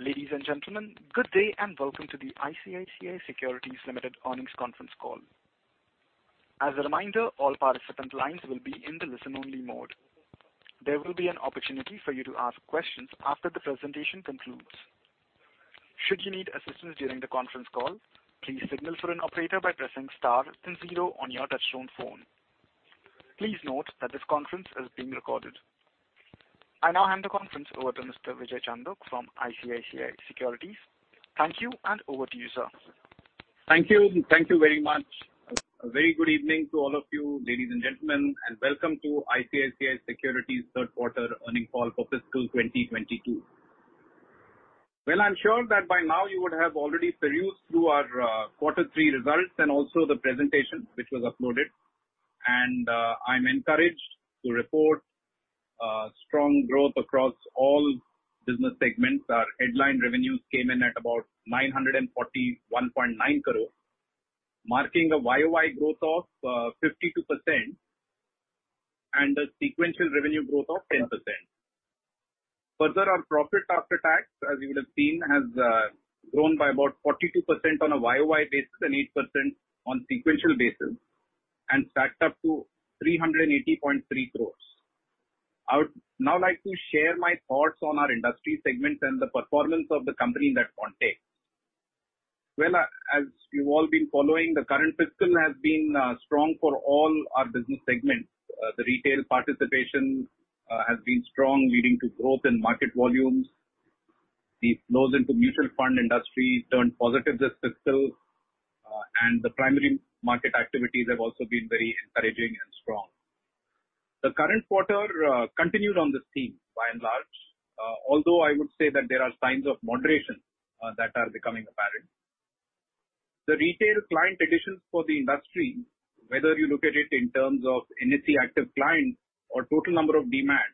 Ladies and gentlemen, good day and welcome to the ICICI Securities Limited earnings conference call. As a reminder, all participant lines will be in the listen-only mode. There will be an opportunity for you to ask questions after the presentation concludes. Should you need assistance during the conference call, please signal for an operator by pressing star then zero on your touchtone phone. Please note that this conference is being recorded. I now hand the conference over to Mr. Vijay Chandok from ICICI Securities. Thank you and over to you, sir. Thank you. Thank you very much. A very good evening to all of you, ladies and gentlemen, and welcome to ICICI Securities third quarter earnings call for fiscal 2022. Well, I'm sure that by now you would have already perused through our quarter three results and also the presentation which was uploaded. I'm encouraged to report strong growth across all business segments. Our headline revenues came in at about 941.9 crore, marking a YOY growth of 52% and a sequential revenue growth of 10%. Further, our profit after tax, as you would have seen, has grown by about 42% on a YOY basis and 8% on sequential basis, and stacked up to 380.3 crore. I would now like to share my thoughts on our industry segment and the performance of the company in that context. Well, as you've all been following, the current fiscal has been strong for all our business segments. The retail participation has been strong, leading to growth in market volumes. The flows into mutual fund industry turned positive this fiscal, and the primary market activities have also been very encouraging and strong. The current quarter continued on this theme by and large, although I would say that there are signs of moderation that are becoming apparent. The retail client additions for the industry, whether you look at it in terms of NSE active clients or total number of Demat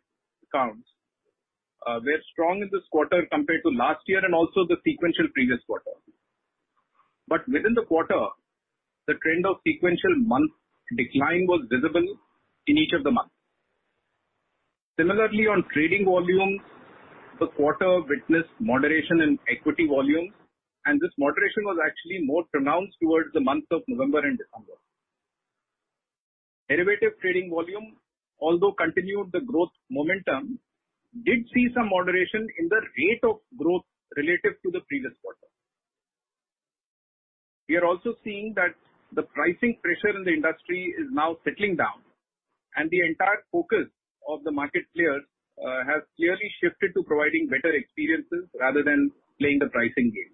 accounts, were strong in this quarter compared to last year and also the sequential previous quarter. Within the quarter, the trend of sequential month decline was visible in each of the months. Similarly, on trading volumes, the quarter witnessed moderation in equity volumes, and this moderation was actually more pronounced towards the months of November and December. Derivative trading volume, although continued the growth momentum, did see some moderation in the rate of growth relative to the previous quarter. We are also seeing that the pricing pressure in the industry is now settling down, and the entire focus of the market players has clearly shifted to providing better experiences rather than playing the pricing game.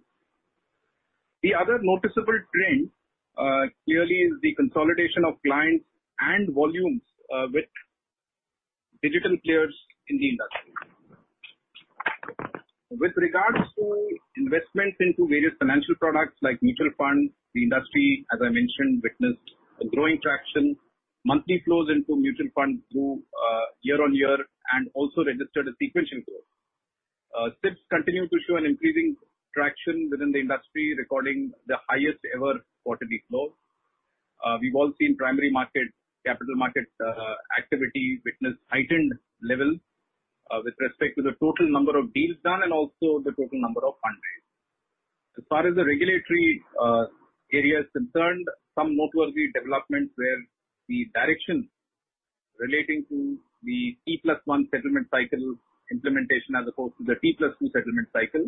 The other noticeable trend clearly is the consolidation of clients and volumes with digital players in the industry. With regards to investments into various financial products like mutual funds, the industry, as I mentioned, witnessed a growing traction. Monthly flows into mutual funds grew year-over-year and also registered a sequential growth. SIPs continued to show an increasing traction within the industry, recording the highest ever quarterly flow. We've all seen primary market, capital market activity has witnessed heightened levels with respect to the total number of deals done and also the total number of funds raised. As far as the regulatory area is concerned, some noteworthy developments were the directions relating to the T+1 settlement cycle implementation as opposed to the T+2 settlement cycle.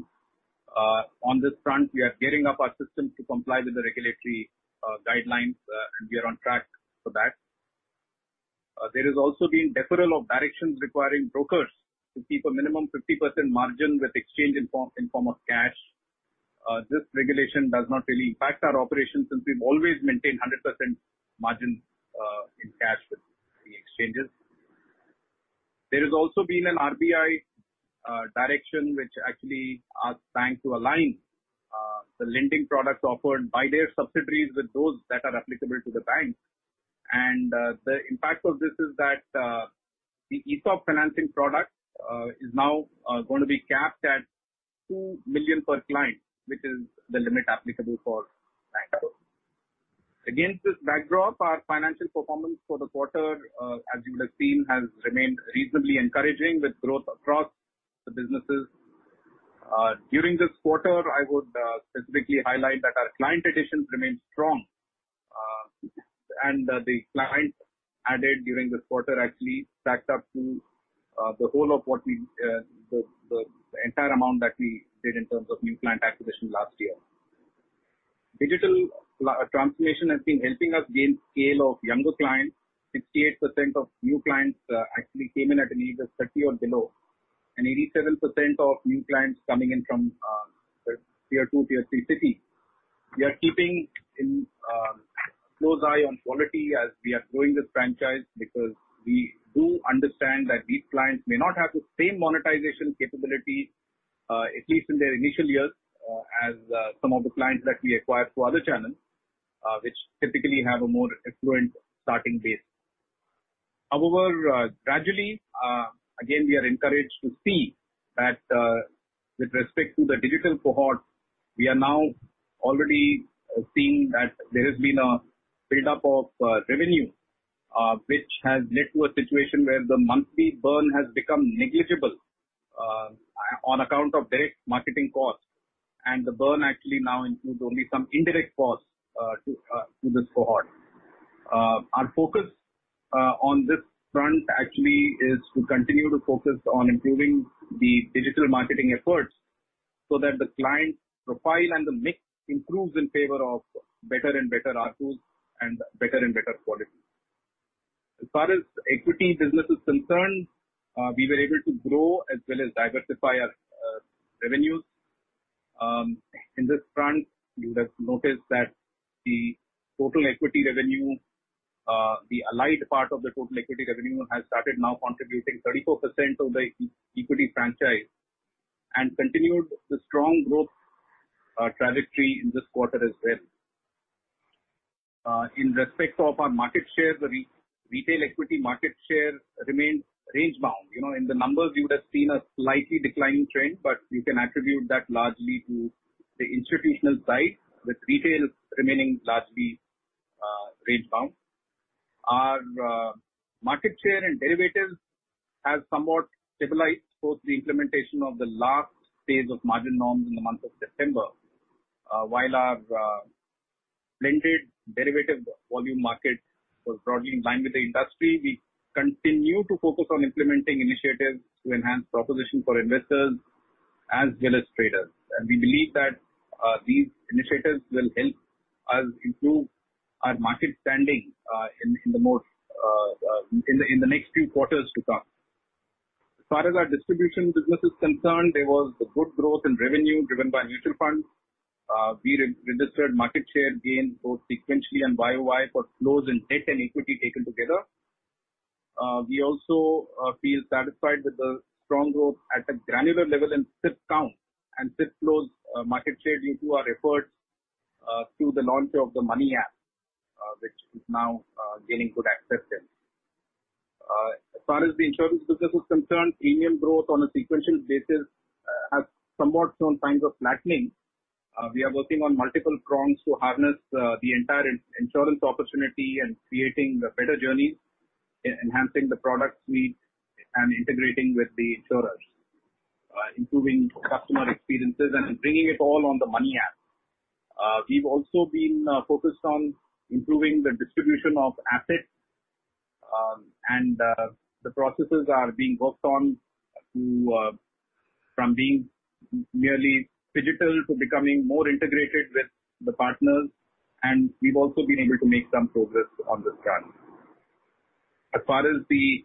On this front, we are gearing up our systems to comply with the regulatory guidelines and we are on track for that. There has also been deferral of directions requiring brokers to keep a minimum 50% margin with the exchange in the form of cash. This regulation does not really impact our operations since we've always maintained 100% margin in cash with the exchanges. There has also been an RBI direction which actually asks banks to align the lending products offered by their subsidiaries with those that are applicable to the banks. The impact of this is that the ETF financing product is now going to be capped at 2 million per client, which is the limit applicable for bank loans. Against this backdrop, our financial performance for the quarter, as you would have seen, has remained reasonably encouraging with growth across the businesses. During this quarter, I would specifically highlight that our client additions remained strong. The clients added during this quarter actually stacked up to the whole of the entire amount that we did in terms of new client acquisition last year. Digital transformation has been helping us gain scale of younger clients. 68% of new clients actually came in at an age of 30 or below, and 87% of new clients coming in from the tier two, tier three cities. We are keeping a close eye on quality as we are growing this franchise because we do understand that these clients may not have the same monetization capability at least in their initial years as some of the clients that we acquire through other channels which typically have a more affluent starting base. However, gradually, again, we are encouraged to see that, with respect to the digital cohort, we are now already seeing that there has been a build-up of revenue, which has led to a situation where the monthly burn has become negligible, on account of direct marketing costs and the burn actually now includes only some indirect costs, to this cohort. Our focus, on this front actually is to continue to focus on improving the digital marketing efforts so that the client profile and the mix improves in favor of better and better R2s and better and better quality. As far as equity business is concerned, we were able to grow as well as diversify our revenues. In this front, you would have noticed that the total equity revenue, the allied part of the total equity revenue has started now contributing 34% of the equity franchise and continued the strong growth trajectory in this quarter as well. In respect of our market share, the retail equity market share remained range bound. You know, in the numbers you would have seen a slightly declining trend, but you can attribute that largely to the institutional side, with retail remaining largely range bound. Our market share in derivatives has somewhat stabilized post the implementation of the last phase of margin norms in the month of September. While our blended derivative volume market was broadly in line with the industry, we continue to focus on implementing initiatives to enhance proposition for investors as well as traders. We believe that these initiatives will help us improve our market standing in the next few quarters to come. As far as our distribution business is concerned, there was a good growth in revenue driven by mutual funds. We registered market share gains both sequentially and YOY for flows in debt and equity taken together. We also feel satisfied with the strong growth at a granular level in SIP count and SIP flows, market share due to our efforts through the launch of the Money App, which is now gaining good acceptance. As far as the insurance business is concerned, premium growth on a sequential basis has somewhat shown signs of flattening. We are working on multiple prongs to harness the entire insurance opportunity and creating better journeys, enhancing the product suite and integrating with the insurers, improving customer experiences and bringing it all on the Money App. We've also been focused on improving the distribution of assets, and the processes are being worked on to go from being merely digital to becoming more integrated with the partners, and we've also been able to make some progress on this front. As far as the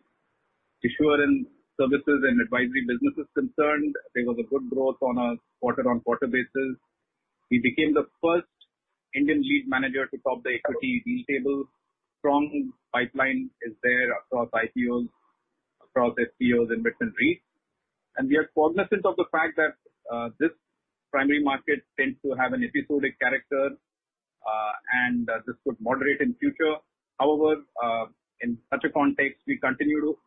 issuance services and advisory business is concerned, there was a good growth on a quarter-over-quarter basis. We became the first Indian lead manager to top the equity deal table. Strong pipeline is there across IPOs, across FPOs and venture re. We are cognizant of the fact that this primary market tends to have an episodic character, and this could moderate in future. However, in such a context, we continue to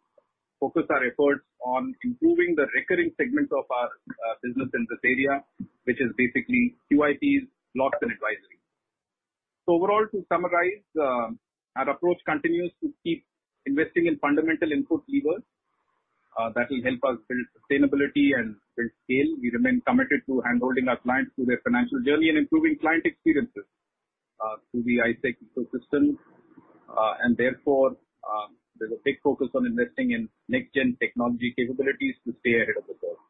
focus our efforts on improving the recurring segments of our business in this area, which is basically QIPs, blocks and advisory. Overall, to summarize, our approach continues to keep investing in fundamental input levers that will help us build sustainability and build scale. We remain committed to handholding our clients through their financial journey and improving client experiences through the ISEC ecosystem. Therefore, there's a big focus on investing in next gen technology capabilities to stay ahead of the curve.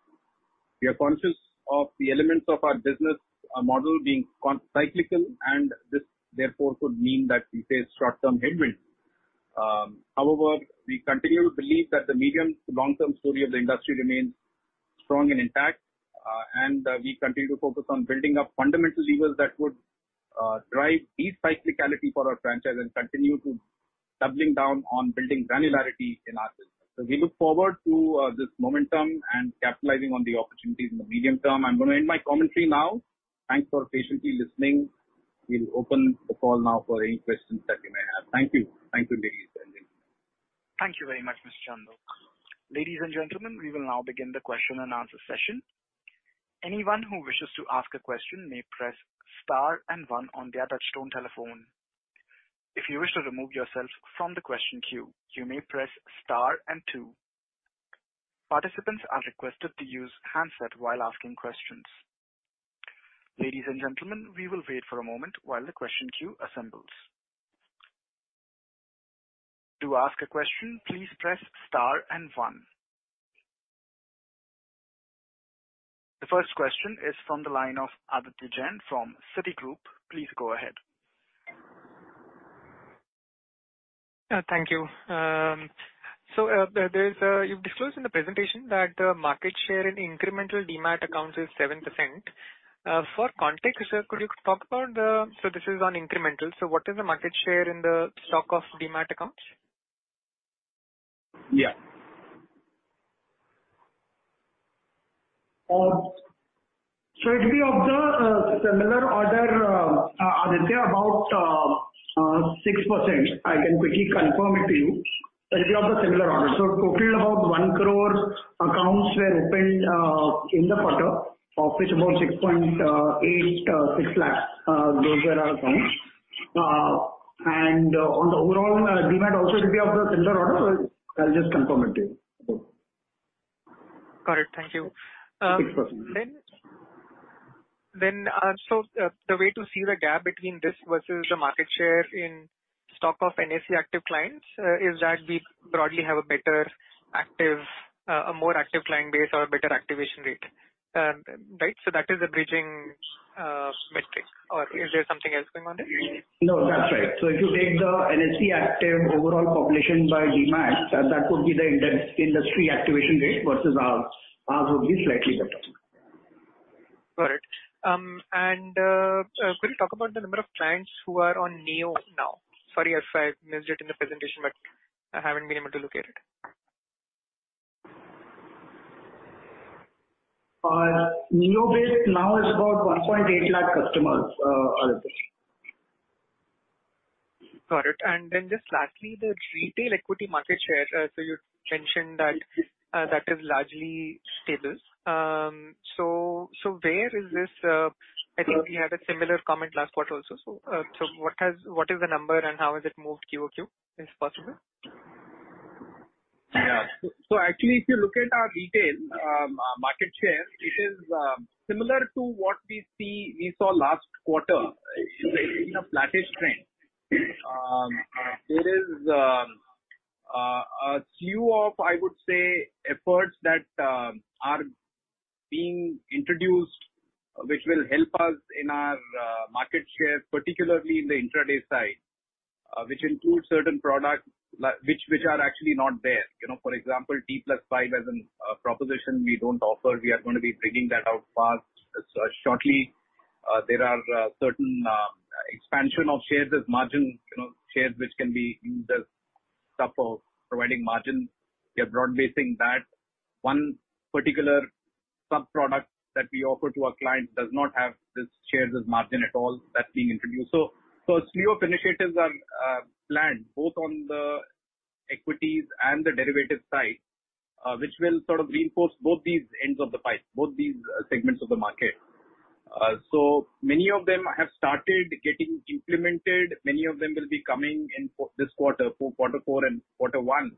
We are conscious of the elements of our business model being cyclical, and this therefore could mean that we face short-term headwinds. However, we continue to believe that the medium-to-long-term story of the industry remains strong and intact. We continue to focus on building up fundamental levers that would drive de-cyclicality for our franchise and continue to doubling down on building granularity in our business. We look forward to this momentum and capitalizing on the opportunities in the medium term. I'm gonna end my commentary now. Thanks for patiently listening. We'll open the call now for any questions that you may have. Thank you. Thank you, ladies and gentlemen. Thank you very much, Mr. Chandok. Ladies and gentlemen, we will now begin the question and answer session. Anyone who wishes to ask a question may press star and one on their touchtone telephone. If you wish to remove yourself from the question queue, you may press star and two. Participants are requested to use handset while asking questions. Ladies and gentlemen, we will wait for a moment while the question queue assembles. To ask a question, please press star and one. The first question is from the line of Aditya Jain from Citigroup. Please go ahead. Thank you. You've disclosed in the presentation that market share in incremental Demat accounts is 7%. For context, sir, could you talk about the market share in the stock of Demat accounts. Yeah Yeah. It'll be of the similar order, Aditya, about 6%. I can quickly confirm it to you. It'll be of the similar order. Total about 1 crore accounts were opened in the quarter, of which about 6.86 lakhs those that are opened. On the overall, Demat also it'll be of the similar order. I'll just confirm it to you. Got it. Thank you. 6%. The way to see the gap between this versus the market share in stock of NSE active clients is that we broadly have a more active client base or a better activation rate. Right? That is the bridging metric, or is there something else going on there? No, that's right. If you take the NSE active overall population by Demat, that would be the industry activation rate versus ours. Ours would be slightly better. Got it. Could you talk about the number of clients who are on NEO now? Sorry if I missed it in the presentation, but I haven't been able to look at it. NEO base now is about 1.8 lakh customers are there. Got it. Just lastly, the retail equity market share. You mentioned that that is largely stable. Where is this? I think we had a similar comment last quarter also. What is the number and how has it moved Q-over-Q, if possible? Actually, if you look at our retail market share, it is similar to what we saw last quarter. It's been in a flattish trend. There is a few efforts, I would say, that are being introduced which will help us in our market share, particularly in the intra-day side, which include certain products which are actually not there. You know, for example, T+5 as a proposition we don't offer. We are gonna be bringing that out fairly shortly. There are certain expansion of shares as margin, you know, shares which can be used as support for providing margin. We are broad-basing that. One particular sub-product that we offer to our clients does not have this shares as margin at all. That's being introduced. A slew of initiatives are planned both on the equities and the derivatives side, which will sort of reinforce both these ends of the pipe, both these segments of the market. Many of them have started getting implemented. Many of them will be coming in this quarter, for quarter four and quarter one.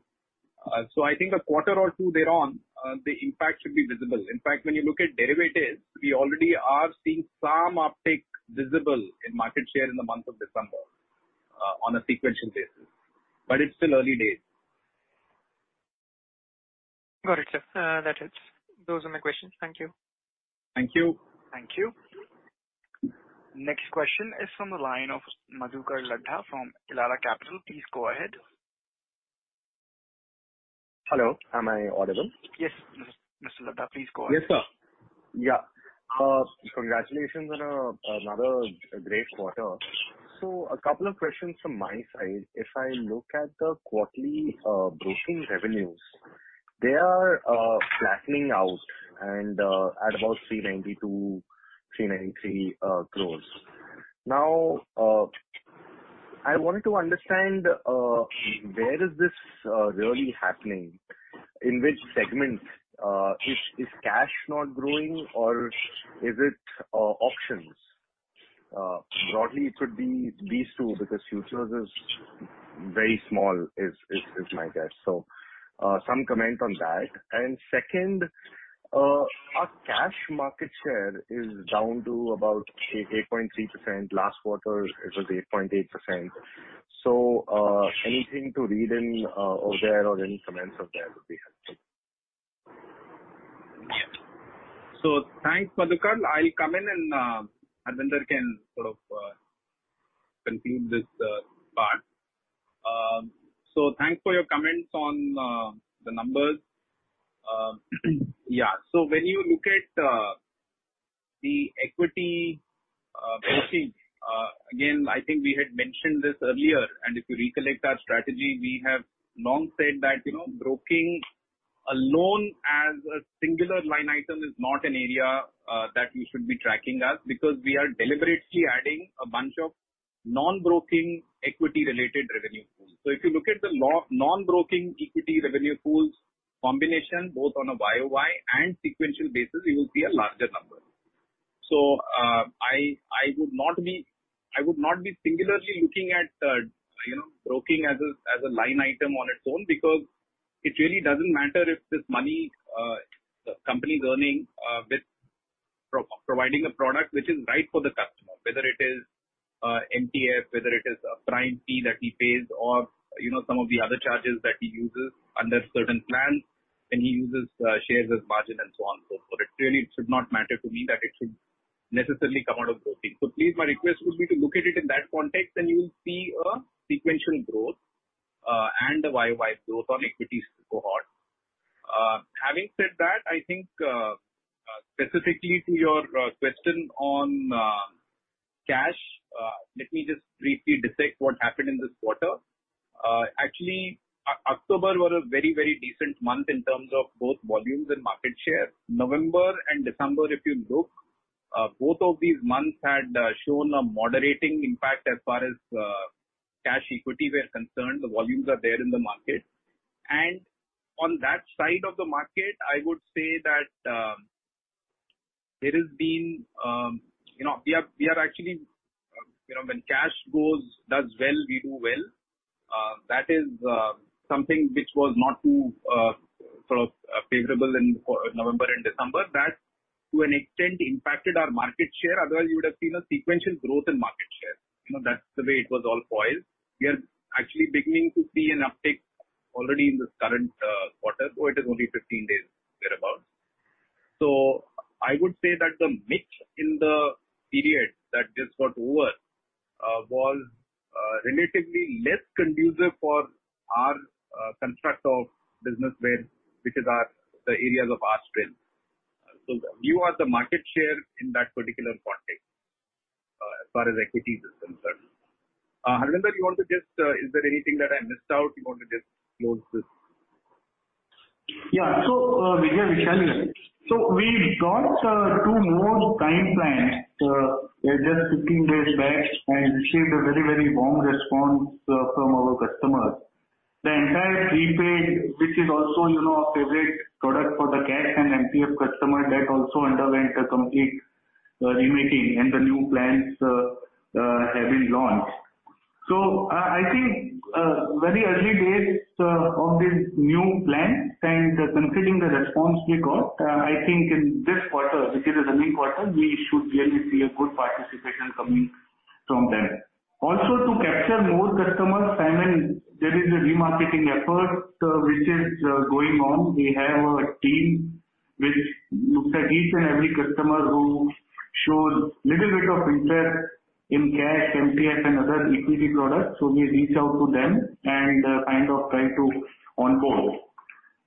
I think a quarter or two thereon, the impact should be visible. In fact, when you look at derivatives, we already are seeing some uptick visible in market share in the month of December, on a sequential basis. It's still early days. Got it, sir. That helps. Those are my questions. Thank you. Thank you. Thank you. Next question is from the line of Madhukar Ladha from Elara Capital. Please go ahead. Hello, am I audible? Yes. Mr. Ladha, please go ahead. Yes, sir. Congratulations on another great quarter. A couple of questions from my side. If I look at the quarterly broking revenues, they are flattening out and at about 392-393 crore. Now, I wanted to understand where is this really happening. In which segment? Is cash not growing or is it options? Broadly, it could be these two, because futures is very small, is my guess. Some comment on that. Second, our cash market share is down to about 8.3%. Last quarter it was 8.8%. Anything to read in over there or any comments over there would be helpful. Thanks, Madhukar. I'll come in and Harvinder can sort of continue this part. Thanks for your comments on the numbers. Yeah. When you look at the equity broking again, I think we had mentioned this earlier, and if you recollect our strategy, we have long said that, you know, broking alone as a singular line item is not an area that you should be tracking us because we are deliberately adding a bunch of non-broking equity-related revenue pools. If you look at the non-broking equity revenue pools combination, both on a YOY and sequential basis, you will see a larger number. I would not be singularly looking at you know broking as a line item on its own because it really doesn't matter if the money the company's earning with providing a product which is right for the customer, whether it is MTF, whether it is a Prime fee that he pays or you know some of the other charges that he uses under certain plans, and he uses shares as margin and so on and so forth. It really should not matter to me that it should necessarily come out of broking. Please, my request would be to look at it in that context, and you'll see a sequential growth and a YOY growth on equities cohort. Having said that, I think, specifically to your question on cash, let me just briefly dissect what happened in this quarter. Actually, October was a very decent month in terms of both volumes and market share. November and December, if you look, both of these months had shown a moderating impact as far as cash equity were concerned. The volumes are there in the market. And on that side of the market, I would say that, there has been, you know, we are actually, you know, when cash goes, does well, we do well. That is something which was not too sort of favorable in November and December. That to an extent impacted our market share. Otherwise, you would have seen a sequential growth in market share. You know, that's the way it was all foiled. We are actually beginning to see an uptick already in this current quarter, though it is only 15 days thereabout. I would say that the mix in the period that just got over was relatively less conducive for our construct of business mix, which is the areas of our strength. Our view of the market share in that particular context, as far as equity is concerned. Harvinder, is there anything that I missed out? You want to just close this? Vishal here. We've got two more time plans just 15 days back and received a very warm response from our customers. The entire prepaid, which is also, you know, a favorite product for the cash and MTF customer that also underwent a complete remaking and the new plans have been launched. I think very early days of this new plan and considering the response we got, I think in this quarter, which is a running quarter, we should really see a good participation coming from them. Also to capture more customers, Simon, there is a remarketing effort which is going on. We have a team which looks at each and every customer who shows little bit of interest in cash, MTF and other equity products. We reach out to them and kind of try to onboard.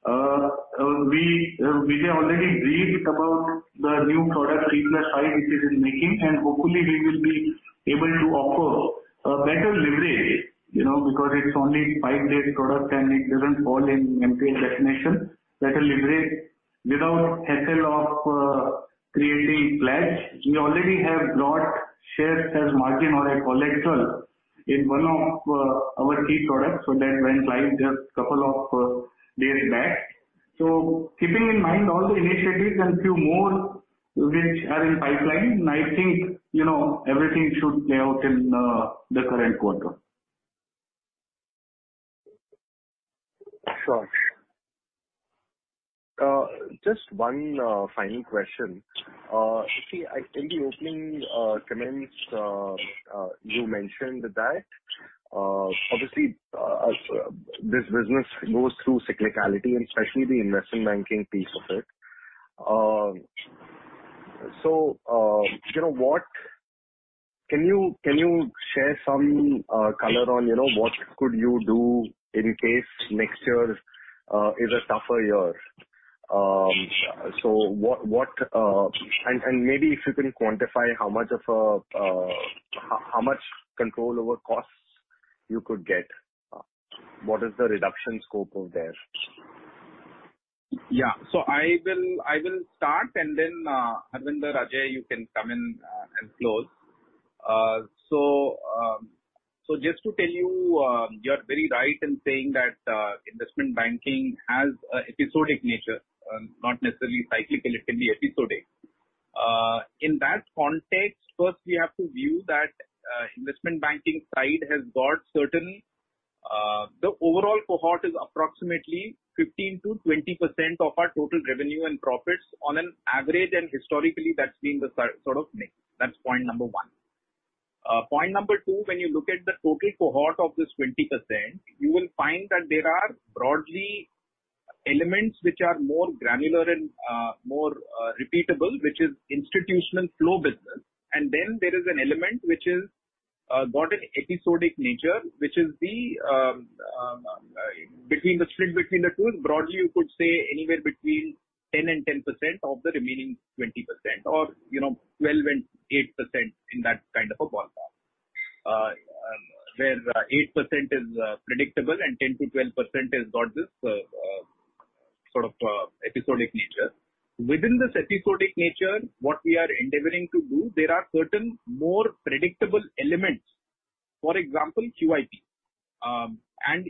Vijay Chandok already briefed about the new product 3+5, which is in making, and hopefully we will be able to offer a better leverage, you know, because it's only five-day product and it doesn't fall in MTF definition. Better leverage without hassle of creating pledge. We already have brought shares as margin or collateral in one of our key products. That went live just couple of days back. Keeping in mind all the initiatives and few more which are in pipeline, I think, you know, everything should play out in the current quarter. Sure. Just one final question. In the opening comments, you mentioned that, obviously, this business goes through cyclicality and especially the investment banking piece of it. You know, what can you share some color on, you know, what could you do in case next year is a tougher year? Maybe if you can quantify how much control over costs you could get. What is the reduction scope over there? Yeah. I will start and then, Harvinder, Ajay, you can come in and close. Just to tell you're very right in saying that, investment banking has an episodic nature, not necessarily cyclical, it can be episodic. In that context, first we have to view that investment banking side, the overall cohort is approximately 15%-20% of our total revenue and profits on an average, and historically, that's been the sort of mix. That's point number one. Point number two, when you look at the total cohort of this 20%, you will find that there are broadly elements which are more granular and more repeatable, which is institutional flow business. Then there is an element which has got an episodic nature, the split between the two, broadly, you could say anywhere between 10% and 10% of the remaining 20% or, you know, 12% and 8% in that kind of a ballpark. Where 8% is predictable and 10%-12% has got this sort of episodic nature. Within this episodic nature, what we are endeavoring to do, there are certain more predictable elements. For example, QIP.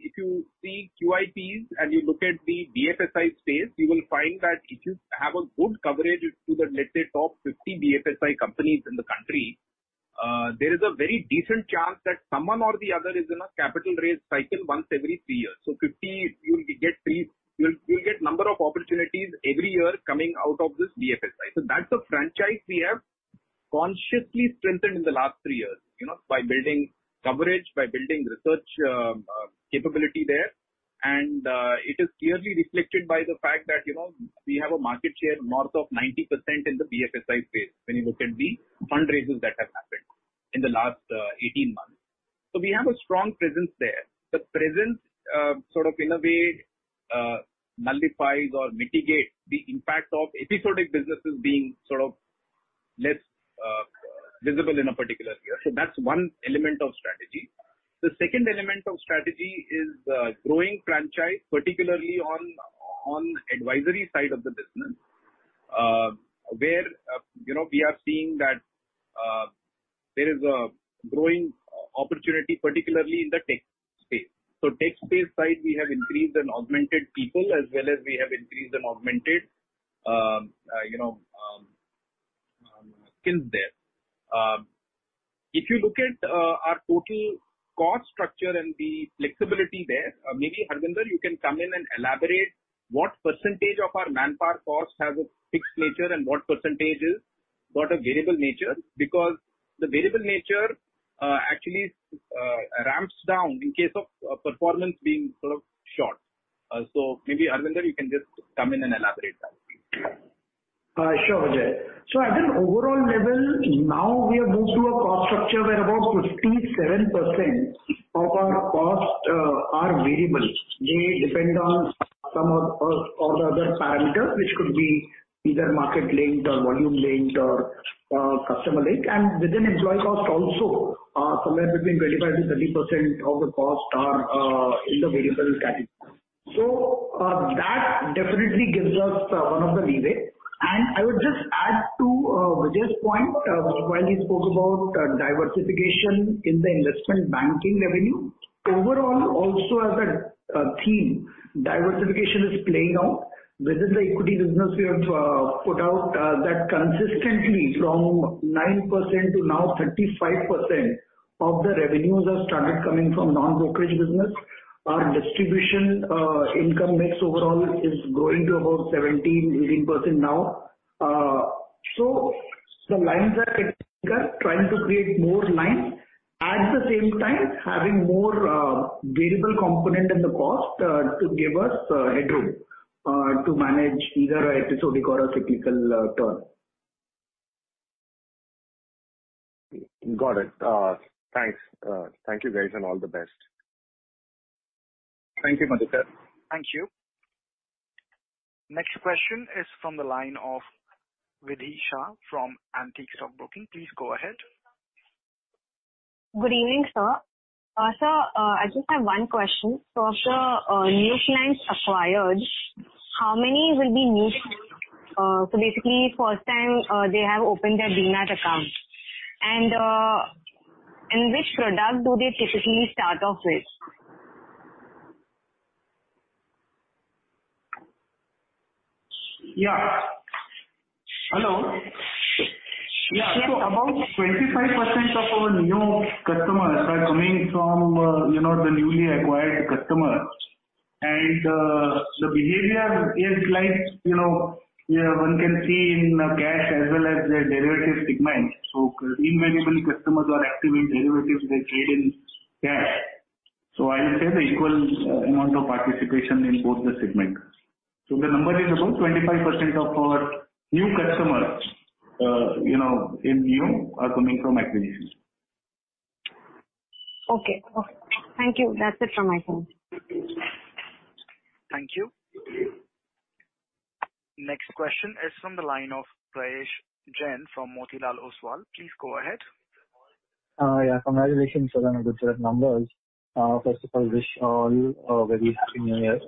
If you see QIPs and you look at the BFSI space, you will find that if you have a good coverage to the, let's say, top 50 BFSI companies in the country, there is a very decent chance that someone or the other is in a capital raise cycle once every three years. So 50, you'll get three. You'll get number of opportunities every year coming out of this BFSI. So that's a franchise we have consciously strengthened in the last three years, you know, by building coverage, by building research capability there. It is clearly reflected by the fact that, you know, we have a market share north of 90% in the BFSI space when you look at the fund raises that have happened in the last 18 months. We have a strong presence there. The presence sort of in a way nullifies or mitigate the impact of episodic businesses being sort of less visible in a particular year. That's one element of strategy. The second element of strategy is growing franchise, particularly on advisory side of the business, where you know we are seeing that there is a growing opportunity, particularly in the tech space. Tech space side we have increased and augmented people as well as skills there. If you look at our total cost structure and the flexibility there, maybe, Harvinder, you can come in and elaborate what percentage of our manpower costs have a fixed nature and what are variable nature because the variable nature actually ramps down in case of performance being sort of short. Maybe, Harvinder, you can just come in and elaborate that please. Sure, Vijay. At an overall level, now we have moved to a cost structure where about 57% of our costs are variable. They depend on some or other parameters, which could be either market linked or volume linked or customer linked. Within employee cost also, somewhere between 25%-30% of the costs are in the variable category. That definitely gives us one of the leeway. I would just add to Vijay's point while he spoke about diversification in the investment banking revenue. Overall, also as a theme, diversification is playing out. Within the equity business we have put out that consistently from 9% to now 35% of the revenues have started coming from non-brokerage business. Our distribution income mix overall is growing to about 17%-18% now. The lines are getting thicker. Trying to create more lines, at the same time having more variable component in the cost to give us headroom to manage either a episodic or a cyclical turn. Got it. Thanks. Thank you guys, and all the best. Thank you, Madhukar. Thank you. Next question is from the line of Vidhi Shah from Antique Stock Broking. Please go ahead. Good evening, sir. I just have one question. Of the new clients acquired, how many will be new, so basically first time they have opened their Demat account, and which product do they typically start off with? About 25% of our new customers are coming from, you know, the newly acquired customers and, the behavior is like, you know, one can see in cash as well as the derivatives segment. Individual customers are active in derivatives, they trade in cash. I'll say the equal amount of participation in both the segments. The number is about 25% of our new customers, you know, in new are coming from acquisitions. Okay. Thank you. That's it from my side. Thank you. Next question is from the line of Prayesh Jain from Motilal Oswal. Please go ahead. Yeah. Congratulations on the good set of numbers. First of all, I wish you all a very happy new year.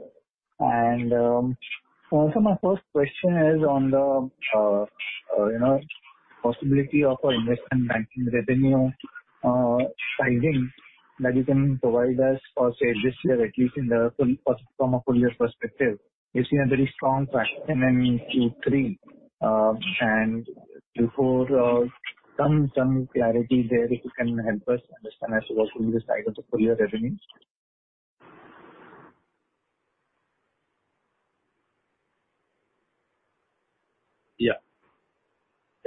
My first question is on the, you know, possibility of our investment banking revenue sizing that you can provide us for, say, this year, at least from a full year perspective. We've seen a very strong trend in Q3 and Q4, some clarity there if you can help us understand as to what will be the size of the full year revenue.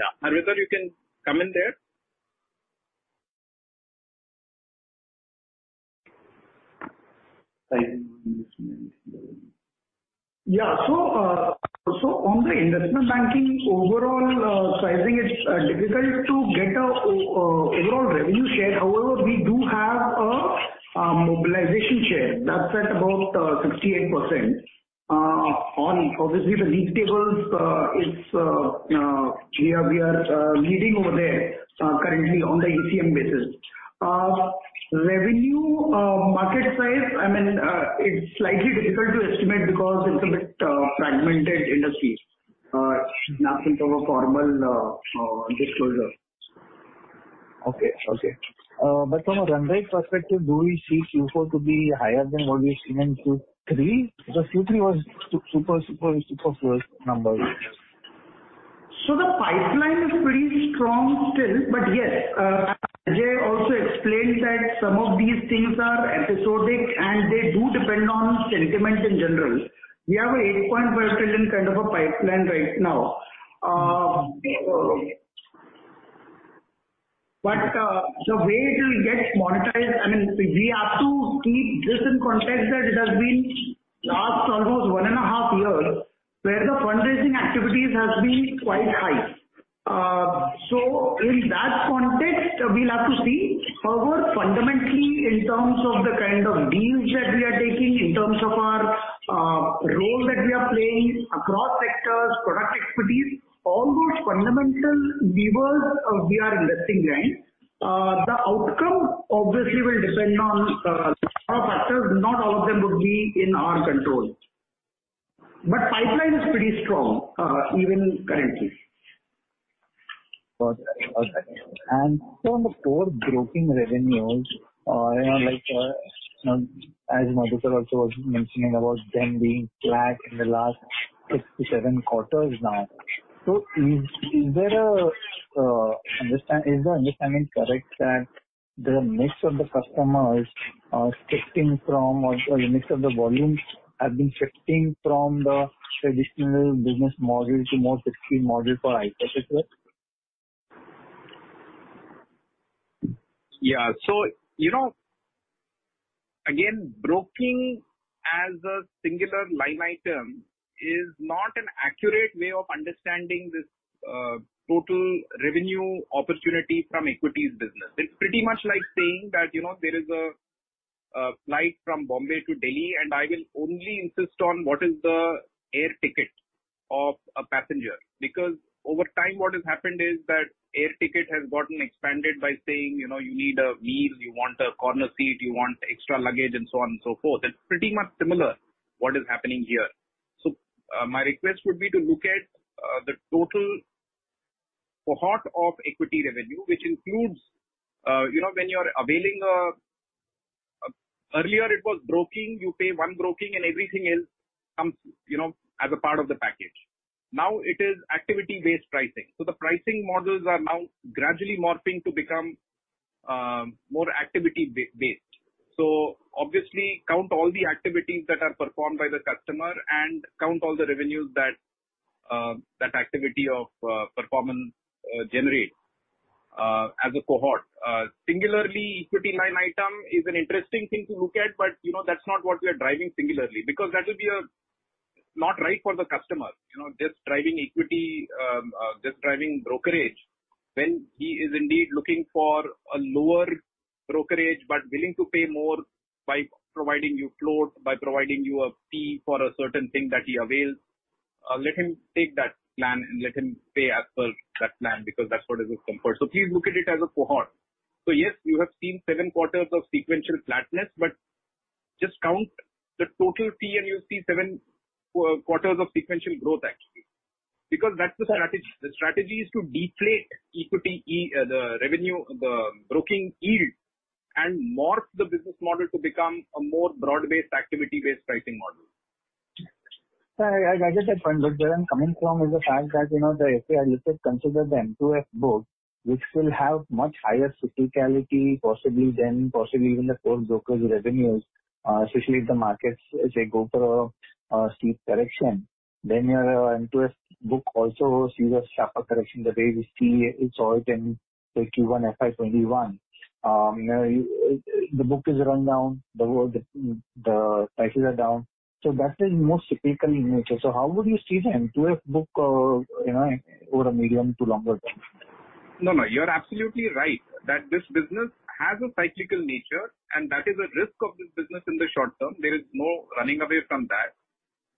Yeah. Harvinder, you can come in there. On the investment banking overall sizing, it's difficult to get an overall revenue share. However, we do have a mobilization share. That's at about 68%, on obviously the league tables, we are leading over there currently on the ECM basis. Revenue market size, I mean, it's slightly difficult to estimate because it's a bit fragmented industry. Nothing from a formal disclosure. Okay. From a run rate perspective, do we see Q4 to be higher than what we've seen in Q3? Because Q3 was super strong numbers. The pipeline is pretty strong still. Yes, Ajay also explained that some of these things are episodic, and they do depend on sentiment in general. We have an 8% in kind of a pipeline right now. The way it will get monetized, I mean, we have to keep this in context that it has been last almost one and a half years where the fundraising activities has been quite high. In that context That we'll have to see. However, fundamentally, in terms of the kind of deals that we are taking, in terms of our role that we are playing across sectors, product equities, all those fundamental levers, we are investing in. The outcome obviously will depend on a lot of factors. Not all of them would be in our control. Pipeline is pretty strong, even currently. Got it. On the core broking revenues, as Madhukur also was mentioning about them being flat in the last 6-7 quarters now. Is the understanding correct that the mix of the customers are shifting from or the mix of the volumes have been shifting from the traditional business model to more fixed fee model for high-touch as well? Yeah. You know, again, broking as a singular line item is not an accurate way of understanding this total revenue opportunity from equities business. It's pretty much like saying that, you know, there is a flight from Bombay to Delhi, and I will only insist on what is the air ticket of a passenger. Because over time what has happened is that air ticket has gotten expanded by saying, you know, you need a meal, you want a corner seat, you want extra luggage and so on and so forth. It's pretty much similar what is happening here. My request would be to look at the total cohort of equity revenue, which includes you know, when you're availing. Earlier it was broking. You pay one broking, and everything else comes, you know, as a part of the package. Now it is activity-based pricing. The pricing models are now gradually morphing to become more activity-based. Obviously count all the activities that are performed by the customer and count all the revenues that that activity or performance generates as a cohort. Singularly, equity line item is an interesting thing to look at, but, you know, that's not what we are driving singularly, because that will be not right for the customer. You know, just driving equity, just driving brokerage when he is indeed looking for a lower brokerage, but willing to pay more by providing you float, by providing you a fee for a certain thing that he avails. Let him take that plan and let him pay as per that plan because that's what is his comfort. Please look at it as a cohort. Yes, you have seen seven quarters of sequential flatness, but just count the total fee and you'll see seven quarters of sequential growth actually. Because that's the strategy. The strategy is to deflate equity, the revenue, the broking yield and morph the business model to become a more broad-based, activity-based pricing model. Sir, as I said, where I'm coming from is the fact that, you know, the FII limit, the MTF book, which will have much higher cyclicality possibly than even the core broker's revenues, especially if the markets, say, go for a steep correction. Your MTF book also sees a sharper correction the way we saw it in, say, Q1 FY 2021. The book is run down, the prices are down. That is more cyclical in nature. How would you see the MTF book, you know, over a medium to longer term? No, no, you're absolutely right that this business has a cyclical nature, and that is a risk of this business in the short term. There is no running away from that.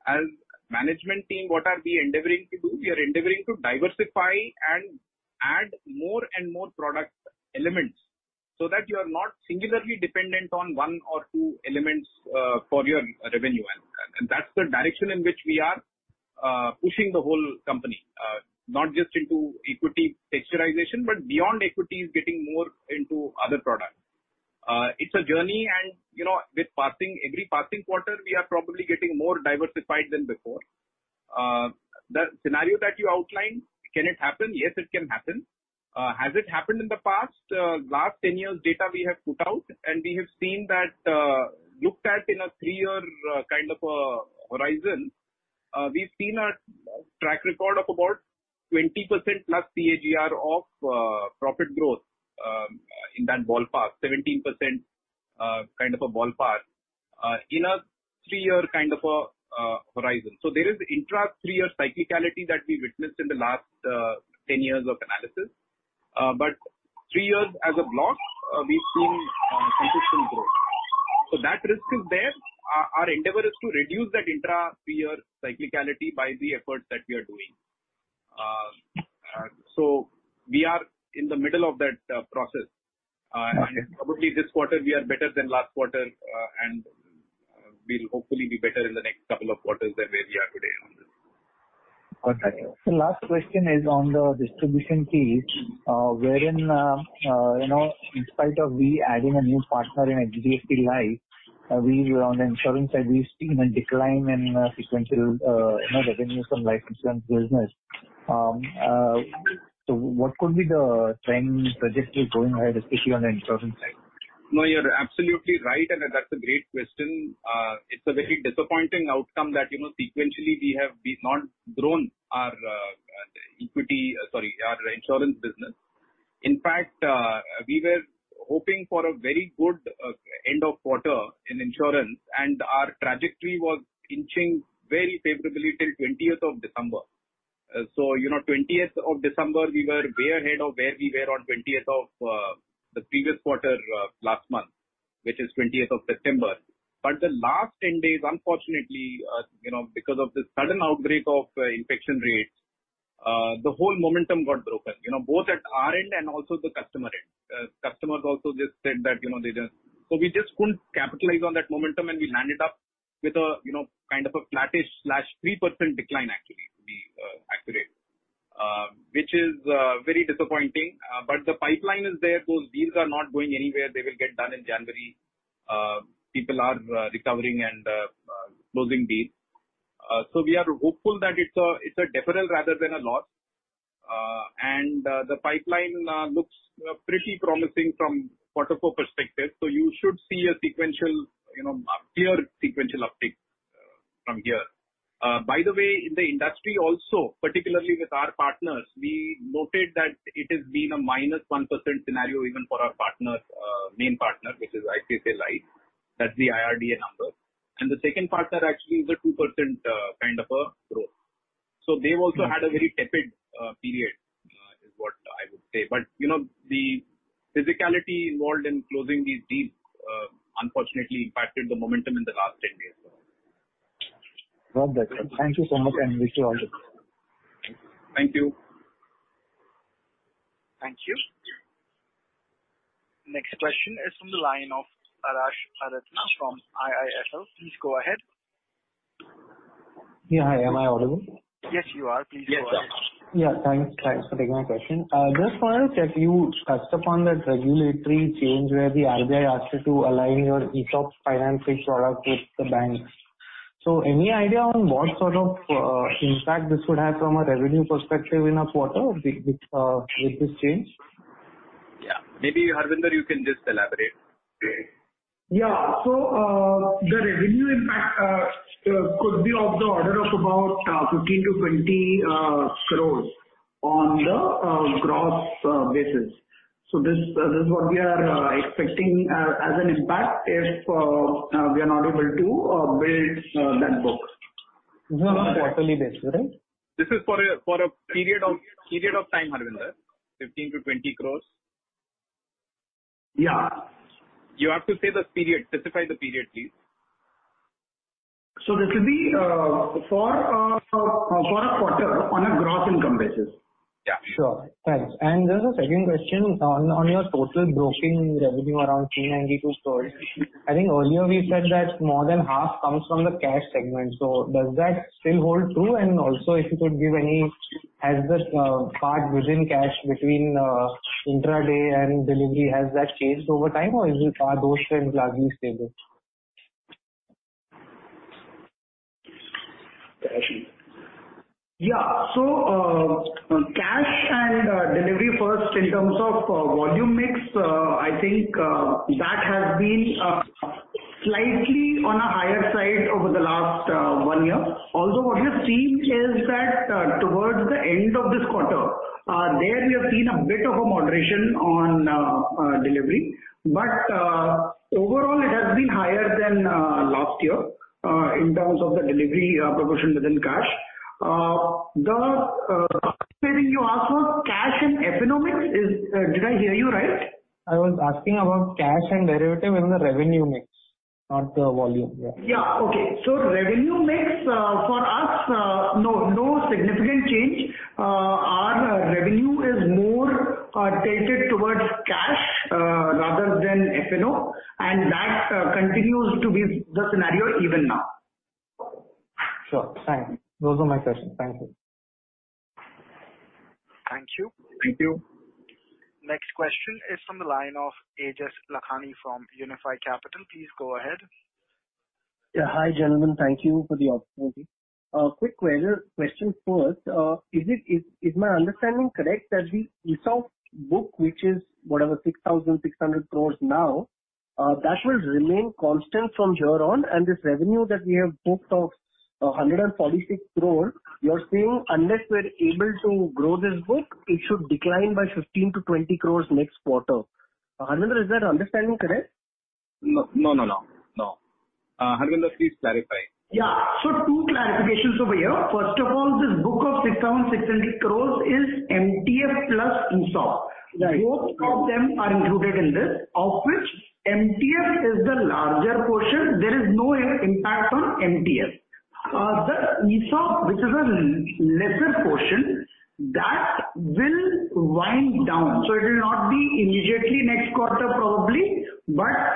As management team, what are we endeavoring to do? We are endeavoring to diversify and add more and more product elements so that you are not singularly dependent on one or two elements for your revenue. That's the direction in which we are pushing the whole company. Not just into equity execution, but beyond equities getting more into other products. It's a journey and, you know, with every passing quarter, we are probably getting more diversified than before. The scenario that you outlined, can it happen? Yes, it can happen. Has it happened in the past? Last 10 years data we have put out, and we have seen that, looked at in a three-year kind of a horizon, we've seen a track record of about 20%+ CAGR of profit growth, in that ballpark. 17% kind of a ballpark, in a three-year kind of a horizon. There is intra-three-year cyclicality that we witnessed in the last 10 years of analysis. Three years as a block, we've seen consistent growth. That risk is there. Our endeavor is to reduce that intra-three-year cyclicality by the efforts that we are doing. We are in the middle of that process. Probably this quarter we are better than last quarter, and we'll hopefully be better in the next couple of quarters than where we are today on this. Got that. The last question is on the distribution fees, wherein, in spite of we adding a new partner in HDFC Life, on the insurance side, we've seen a decline in sequential revenues from life insurance business. What could be the trend trajectory going ahead, especially on the insurance side? No, you're absolutely right, and that's a great question. It's a very disappointing outcome that, you know, sequentially we've not grown our insurance business. In fact, we were hoping for a very good end of quarter in insurance, and our trajectory was inching very favorably till twentieth of December. You know, twentieth of December, we were way ahead of where we were on twentieth of the previous quarter last month, which is twentieth of September. The last 10 days, unfortunately, you know, because of the sudden outbreak of infection rates, the whole momentum got broken, you know, both at our end and also the customer end. Customers also just said that, you know, they just... We just couldn't capitalize on that momentum, and we landed up with a, you know, kind of a flattish to 3% decline actually to be accurate. Which is very disappointing. The pipeline is there. Those deals are not going anywhere. They will get done in January. People are recovering and closing deals. We are hopeful that it's a deferral rather than a loss. The pipeline looks pretty promising from quarter four perspective. You should see a sequential, you know, a clear sequential uptick from here. By the way, in the industry also, particularly with our partners, we noted that it has been a -1% scenario even for our partners' main partner, which is ICICI Life. That's the IRDAI number. The second partner actually is a 2%, kind of a growth. They've also had a very tepid period, is what I would say. You know, the physicality involved in closing these deals, unfortunately impacted the momentum in the last 10 days. Got that. Thank you so much, and wish you all the best. Thank you. Thank you. Next question is from the line of Harsh Aratna from IIFL. Please go ahead. Yeah. Hi, am I audible? Yes, you are. Please go ahead. Yes, you are. Yeah, thanks. Thanks for taking my question. Just wanted to check, you touched upon that regulatory change where the RBI asked you to align your ESOPs financing product with the bank. Any idea on what sort of impact this would have from a revenue perspective in a quarter with this change? Yeah. Maybe Harvinder, you can just elaborate. Great. Yeah. The revenue impact could be of the order of about 15 crore-20 crore on the gross basis. This is what we are expecting as an impact if we are not able to build that book. This is on a quarterly basis, right? This is for a period of time, Harvinder. 15 crore-20 crore. Yeah. You have to say the period. Specify the period, please. This will be for a quarter on a gross income basis. Yeah. There's a second question on your total broking revenue around 392 crores. I think earlier we said that more than half comes from the cash segment. Does that still hold true? Also if you could give any, has this part within cash between intraday and delivery, has that changed over time, or is it part of and largely stable? Cash. Yeah, cash and delivery first in terms of volume mix. I think that has been slightly on a higher side over the last one year. Also what we've seen is that towards the end of this quarter, there we have seen a bit of a moderation on delivery. Overall it has been higher than last year in terms of the delivery proportion within cash. The second thing you asked was cash and F&O mix. Did I hear you right? I was asking about cash and derivatives in the revenue mix, not the volume. Yeah. Revenue mix for us, no significant change. Our revenue is more tilted towards cash rather than F&O, and that continues to be the scenario even now. Sure. Thanks. Those are my questions. Thank you. Thank you. Thank you. Next question is from the line of Aejas Lakhani from Unifi Capital. Please go ahead. Yeah. Hi, gentlemen. Thank you for the opportunity. Quick question first. Is my understanding correct that the ESOP book, which is whatever 6,600 crore now, that will remain constant from here on and this revenue that we have booked of 146 crore, you're saying unless we're able to grow this book, it should decline by 15 crore-20 crore next quarter. Harvinder, is that understanding correct? No. Harvinder, please clarify. Yeah. Two clarifications over here. First of all, this book of 6,600 crores is MTF plus ESOP. Right. Both of them are included in this, of which MTF is the larger portion. There is no impact on MTF. The ESOP, which is a lesser portion, that will wind down. It will not be immediately next quarter probably, but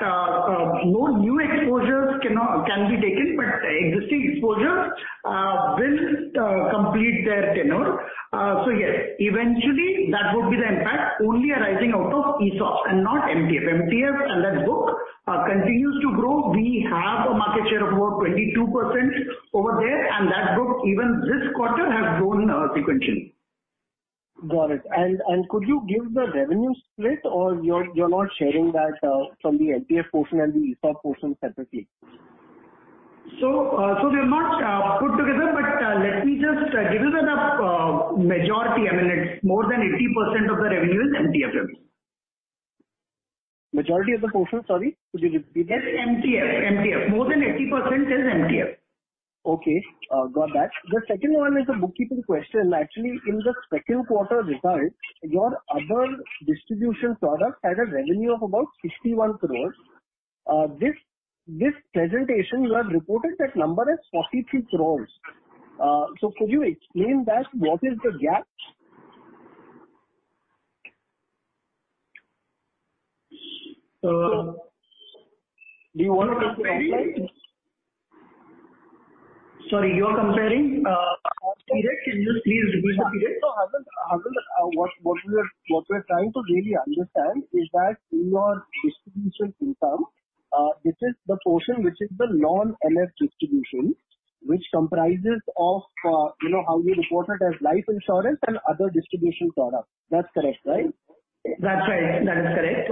no new exposures can be taken, but existing exposures will complete their tenure. Yes, eventually that would be the impact only arising out of ESOP and not MTF. MTF and that book continues to grow. We have a market share of about 22% over there, and that book even this quarter has grown sequentially. Got it. Could you give the revenue split or you're not sharing that, from the MTF portion and the ESOP portion separately? They're not put together, but let me just give you the majority. I mean, it's more than 80% of the revenue is MTF's. Majority of the portion. Sorry, could you repeat that? It's MTF. More than 80% is MTF. Okay, got that. The second one is a bookkeeping question. Actually, in the second quarter results, your other distribution product had a revenue of about 61 crore. This presentation you have reported that number as 43 crore. So could you explain that? What is the gap? Do you want to take that offline? Sorry, you're comparing what period? Can you just please repeat the period? Harvinder, what we're trying to really understand is that in your distribution income, this is the portion which is the non-MF distribution which comprises of, you know, how you report it as life insurance and other distribution products. That's correct, right? That's right. That is correct.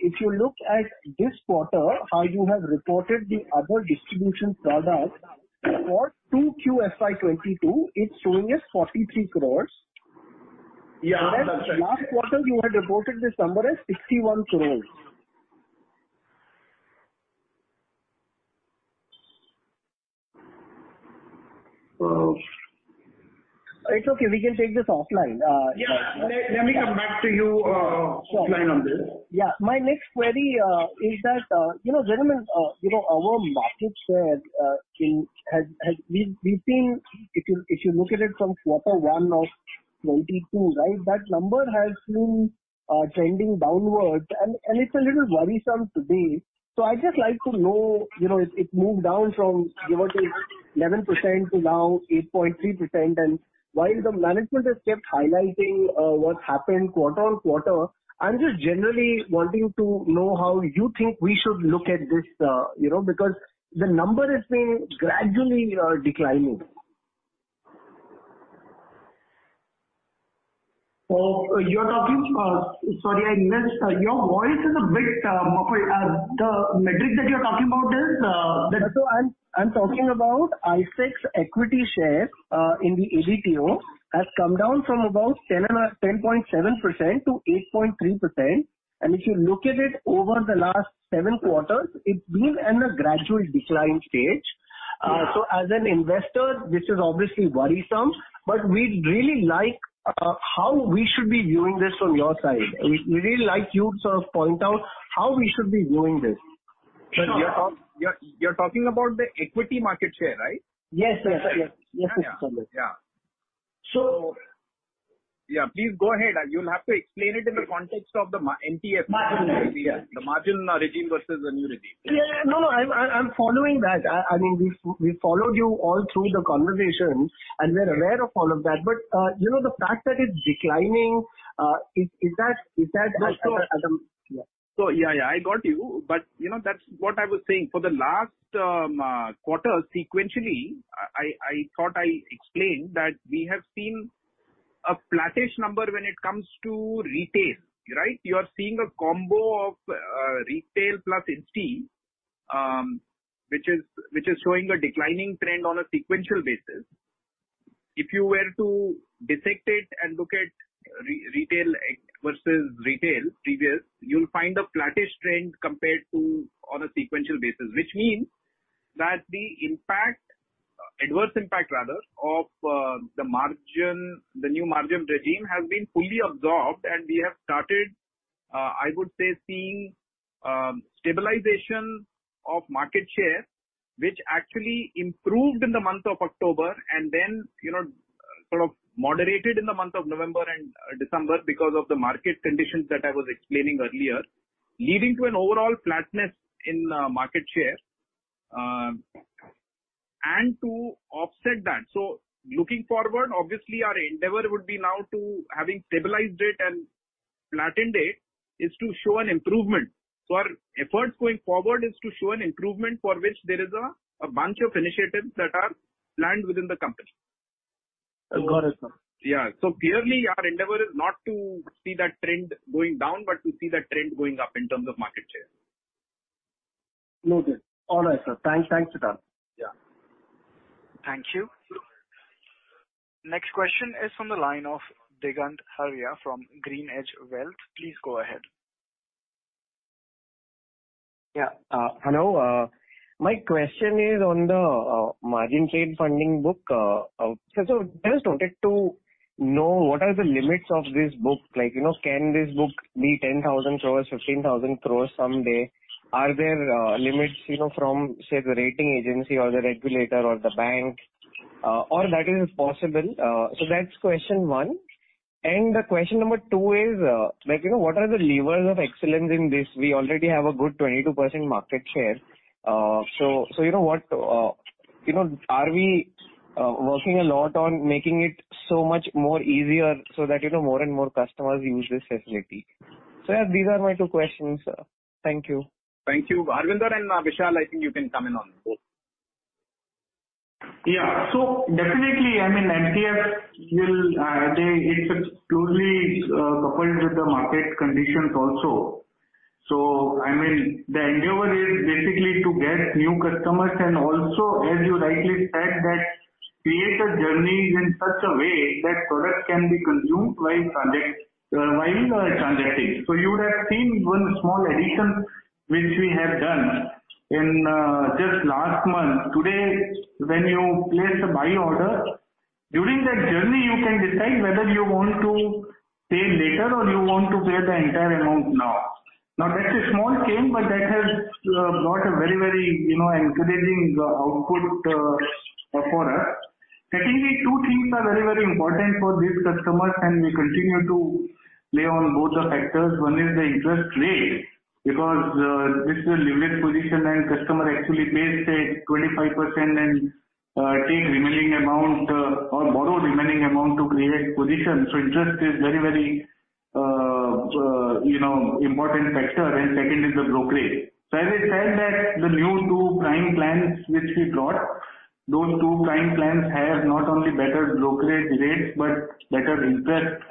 If you look at this quarter, how you have reported the other distribution products for 2Q FY 2022, it's showing as 43 crore. Yeah. Last quarter you had reported this number as 61 crores. It's okay, we can take this offline. Yeah. Let me come back to you offline on this. My next query is that, you know, gentlemen, you know, our market share has been, if you look at it from quarter one of 2022, right? That number has been trending downwards and it's a little worrisome to me. I just like to know, you know, it moved down from 11% to now 8.3%. While the management has kept highlighting what's happened quarter-on-quarter, I'm just generally wanting to know how you think we should look at this, you know, because the number is being gradually declining. Oh, you're talking. Sorry, I missed. Your voice is a bit, the metric that you're talking about is, the- I'm talking about ICICI's equity share in the AGTO has come down from about 10 or 10.7% to 8.3%. If you look at it over the last seven quarters, it's been in a gradual decline stage. As an investor, this is obviously worrisome, but we'd really like you to sort of point out how we should be viewing this from your side. Sure. You're talking about the equity market share, right? Yes, sir. Yeah. So- Yeah, please go ahead. You'll have to explain it in the context of the MTF. Margin, yeah. The margin regime versus the new regime. Yeah, no, I'm following that. I mean, we followed you all through the conversation, and we're aware of all of that. You know, the fact that it's declining is that the- Yeah, I got you. You know, that's what I was saying. For the last quarter sequentially, I thought I explained that we have seen a flattish number when it comes to retail, right? You are seeing a combo of retail plus insti, which is showing a declining trend on a sequential basis. If you were to dissect it and look at retail versus retail previous, you'll find a flattish trend compared to on a sequential basis. Which means that the impact, adverse impact rather, of the margin, the new margin regime has been fully absorbed and we have started, I would say, seeing stabilization of market share, which actually improved in the month of October and then, you know, sort of moderated in the month of November and December because of the market conditions that I was explaining earlier, leading to an overall flatness in market share, and to offset that. Looking forward, obviously our endeavor would be now to having stabilized it and flattened it, is to show an improvement. Our efforts going forward is to show an improvement for which there is a bunch of initiatives that are planned within the company. Got it, sir. Yeah. Clearly our endeavor is not to see that trend going down, but to see that trend going up in terms of market share. Noted. All right, sir. ThankChandok Yeah. Thank you. Next question is from the line of Digant Haria from GreenEdge Wealth. Please go ahead. Yeah. Hello. My question is on the margin trade funding book. Just wanted to know what are the limits of this book? Like, you know, can this book be 10,000 crore, 15,000 crore someday? Are there limits, you know, from, say, the rating agency or the regulator or the bank? All that is possible. That's question one. Question number two is, like, you know, what are the levers of excellence in this? We already have a good 22% market share. You know what? You know, are we working a lot on making it so much more easier so that, you know, more and more customers use this facility? Yeah, these are my two questions, sir. Thank you. Thank you. Arvind and Vishal, I think you can come in on both. Yeah. Definitely, I mean, MTF will, it's closely coupled with the market conditions also. I mean, the endeavor is to get new customers and also, as you rightly said that create a journey in such a way that product can be consumed while transacting. You would have seen one small addition which we have done in just last month. Today, when you place a buy order, during that journey you can decide whether you want to pay later or you want to pay the entire amount now. Now, that's a small change, but that has brought a very, very, you know, encouraging output for us. Secondly, two things are very, very important for these customers, and we continue to play on both the factors. One is the interest rate, because this will limit position and customer actually pays, say, 25% and take remaining amount or borrow remaining amount to create position. Interest is very, you know, important factor. Second is the brokerage. As I said that the new two Prime plans which we brought, those two Prime plans have not only better brokerage rates, but better interest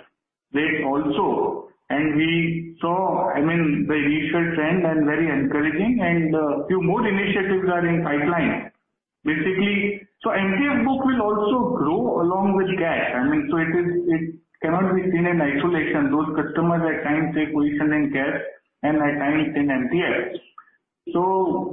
rate also. We saw, I mean, the initial trend and very encouraging and few more initiatives are in pipeline. Basically, MTF book will also grow along with cash. I mean, it is, it cannot be seen in isolation. Those customers at times take position in cash and at times in MTF.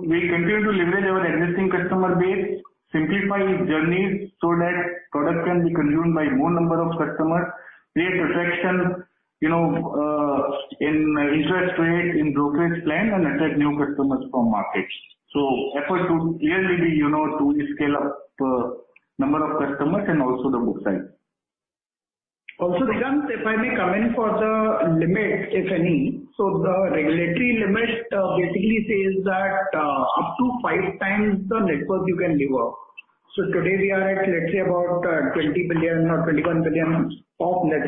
We continue to leverage our existing customer base, simplify journeys so that product can be consumed by more number of customers, create attraction, you know, in interest rate, in brokerage plan, and attract new customers from markets. Effort would clearly be, you know, to scale up number of customers and also the book size. Digant, if I may come in on the limit, if any. The regulatory limit basically says that up to five times the net worth you can leverage. Today we are at, let's say about, 20 billion or 21 billion of net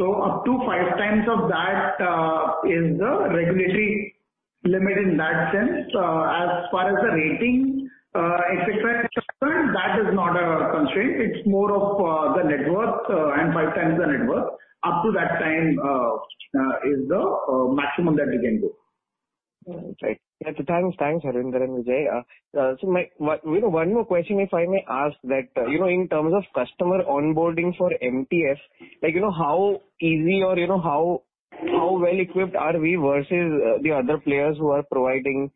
worth. Up to five times of that is the regulatory limit in that sense. As far as the rating, et cetera, et cetera, that is not a constraint. It's more of the net worth and five times the net worth. Up to that time is the maximum that we can do. Right. Thanks. Thanks, Harvinder and Vijay. One more question, if I may ask that, you know, in terms of customer onboarding for MTF, like, you know, how easy or you know, how well equipped are we versus the other players who are providing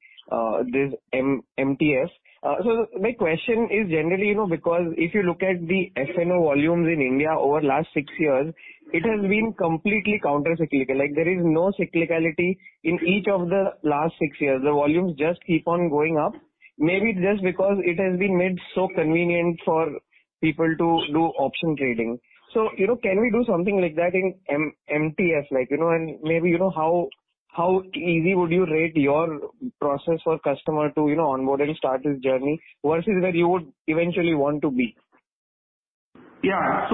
this MTF? My question is generally, you know, because if you look at the F&O volumes in India over last six years, it has been completely counter-cyclical. Like, there is no cyclicality in each of the last six years. The volumes just keep on going up. Maybe just because it has been made so convenient for people to do option trading. You know, can we do something like that in MTF? Like, you know, and maybe, you know, how easy would you rate your process for customer to, you know, onboard and start his journey versus where you would eventually want to be? Yeah.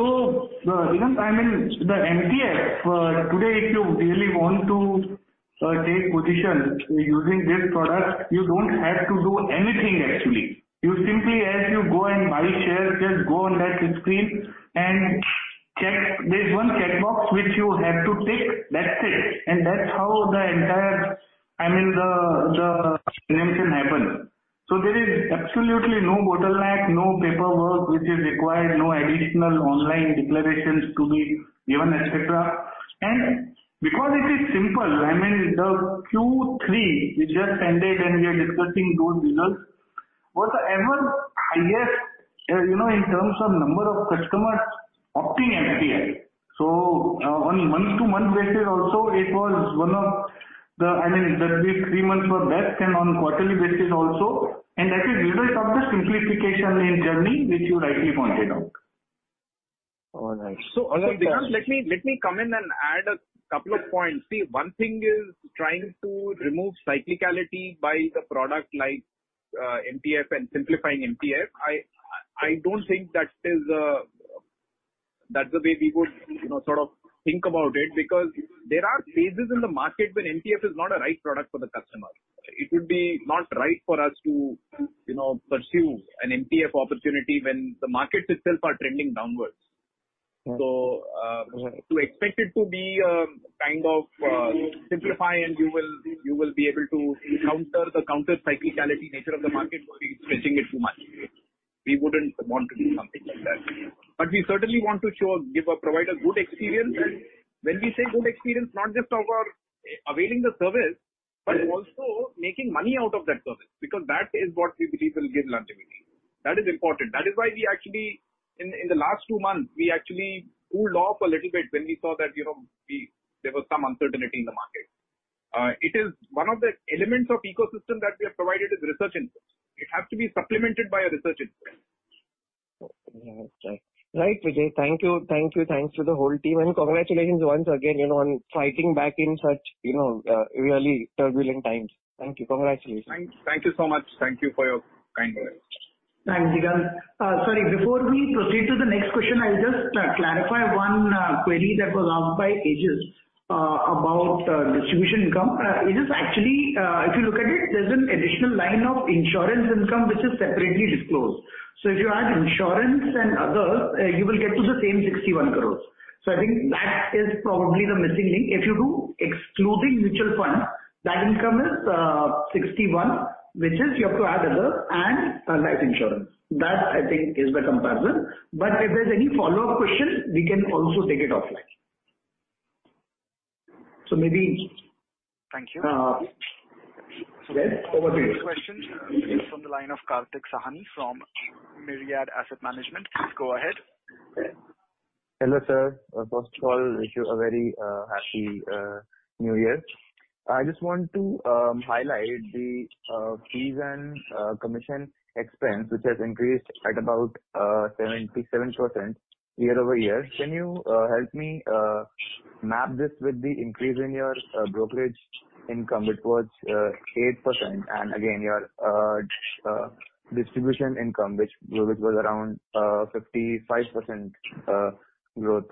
Digant, I mean, the MTF, today, if you really want to take position using this product, you don't have to do anything, actually. You simply, as you go and buy shares, just go on that screen and check. There's one checkbox which you have to tick. That's it. That's how the entire, I mean, the transaction happens. There is absolutely no bottleneck, no paperwork which is required, no additional online declarations to be given, et cetera. Because it is simple, I mean, the Q3 which just ended and we are discussing those results, was the ever highest, you know, in terms of number of customers opting MTF. On month-to-month basis also it was one of the, I mean, the last three months were best and on quarterly basis also. That is result of the simplification in journey which you rightly pointed out. Oh, nice. Digant, let me come in and add a couple of points. See, one thing is trying to remove cyclicality by the product like MTF and simplifying MTF. I don't think that is, that's the way we would, you know, sort of think about it because there are phases in the market when MTF is not a right product for the customer. It would be not right for us to, you know, pursue an MTF opportunity when the markets itself are trending downwards. Mm-hmm. To expect it to be kind of simple and you will be able to counter the counter-cyclical nature of the market would be stretching it too much. We wouldn't want to do something like that. We certainly want to show, give or provide a good experience. When we say good experience, not just of our availing the service, but also making money out of that service because that is what we believe will give longevity. That is important. That is why we actually in the last two months we actually cooled off a little bit when we saw that, you know, there was some uncertainty in the market. It is one of the elements of ecosystem that we have provided is research inputs. It has to be supplemented by a research input. Okay. Right, Vijay. Thank you. Thanks to the whole team and congratulations once again, you know, on fighting back in such, you know, really turbulent times. Thank you. Congratulations. Thank you so much. Thank you for your kind words. Thanks, Digant. Sorry, before we proceed to the next question, I'll just clarify one query that was asked by Ajit about distribution income. It is actually, if you look at it, there's an additional line of insurance income which is separately disclosed. So if you add insurance and others, you will get to the same 61 crore. I think that is probably the missing link. If you do excluding mutual funds, that income is 61 crore, which is you have to add other and life insurance. That I think is the comparison. But if there's any follow-up question, we can also take it offline. So maybe Thank you. Yes. Over to you. Next question is from the line of Kartik Sehani from Myriad Asset Management. Please go ahead. Okay. Hello, sir. First of all, wish you a very happy New Year. I just want to highlight the fees and commission expense, which has increased at about 77% year-over-year. Can you help me map this with the increase in your brokerage income, which was 8%, and again, your distribution income, which was around 55% growth?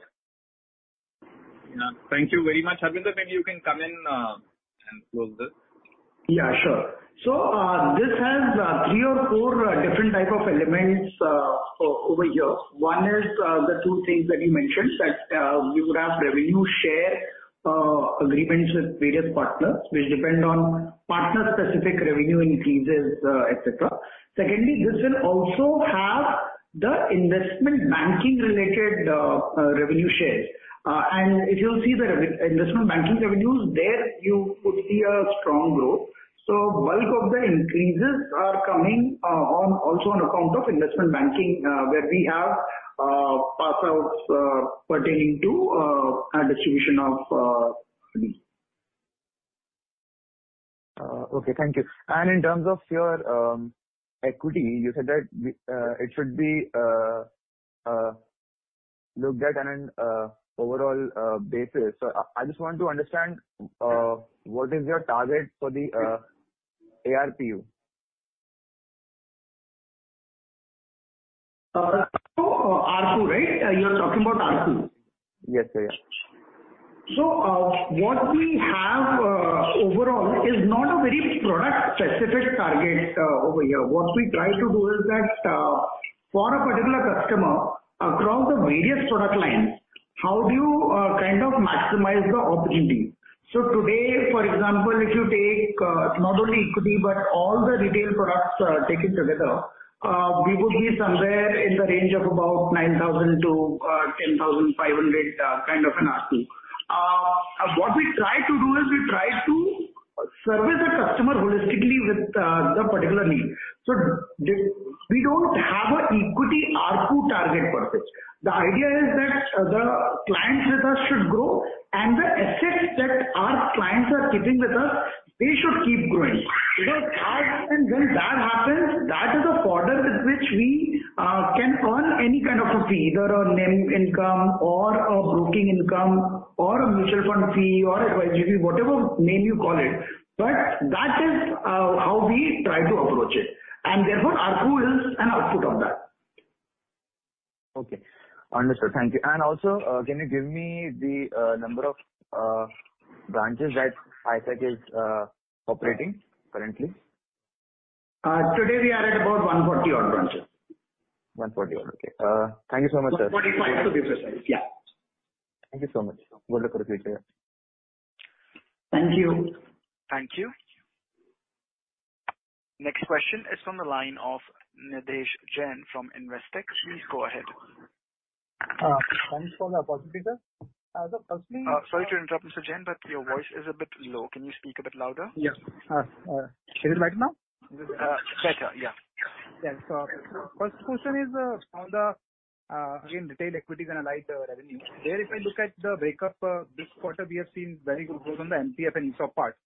Yeah. Thank you very much. Harvinder, maybe you can come in and close this. Yeah, sure. This has three or four different type of elements over here. One is the two things that you mentioned, that we would have revenue share agreements with various partners which depend on partner specific revenue increases, et cetera. Secondly, this will also have the investment banking related revenue shares. If you'll see the investment banking revenues there, you could see a strong growth. Bulk of the increases are coming, also on account of investment banking, where we have pass outs pertaining to a distribution of fee. Okay. Thank you. In terms of your equity, you said that it should be looked at on an overall basis. I just want to understand what is your target for the ARPU? ARPU, right? You're talking about ARPU? Yes, sir, yes. What we have overall is not a very product specific target over here. What we try to do is that for a particular customer across the various product lines, how do you kind of maximize the opportunity? Today, for example, if you take not only equity but all the retail products taken together, we would be somewhere in the range of about 9,000-10,500 kind of an ARPU. What we try to do is service the customer holistically with the particular need. We don't have an equity ARPU target per se. The idea is that the clients with us should grow and the assets that our clients are keeping with us, they should keep growing. Because as and when that happens, that is a fodder with which we can earn any kind of a fee, either a NIM income or a broking income or a mutual fund fee or advisory fee, whatever name you call it. That is how we try to approach it. Therefore ARPU is an output of that. Okay. Understood. Thank you. Can you give me the number of branches that IIFL operating currently? Today we are at about 140-odd branches. 140 odd. Okay. Thank you so much, sir. 1:45 to be precise. Yeah. Thank you so much. Good luck for the future. Thank you. Thank you. Next question is from the line of Nidhesh Jain from Investec. Please go ahead. Thanks for the opportunity, sir. The first thing. Sorry to interrupt, Mr. Jain, but your voice is a bit low. Can you speak a bit louder? Yeah. Is it right now? Better. Yeah. Yeah. First question is, on the, again, retail equities and allied revenue. There if I look at the breakup, this quarter we have seen very good growth on the MTF and ESOP part.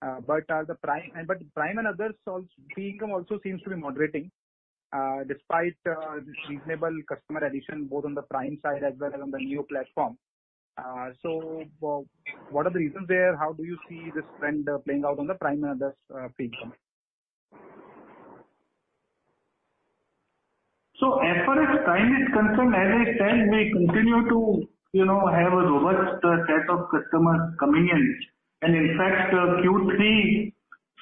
Prime and others also, fee income also seems to be moderating, despite reasonable customer addition both on the Prime side as well as on the Neo platform. What are the reasons there? How do you see this trend playing out on the Prime and others, fee income? As far as Prime is concerned, as I said, we continue to, you know, have a robust set of customers coming in. In fact, Q3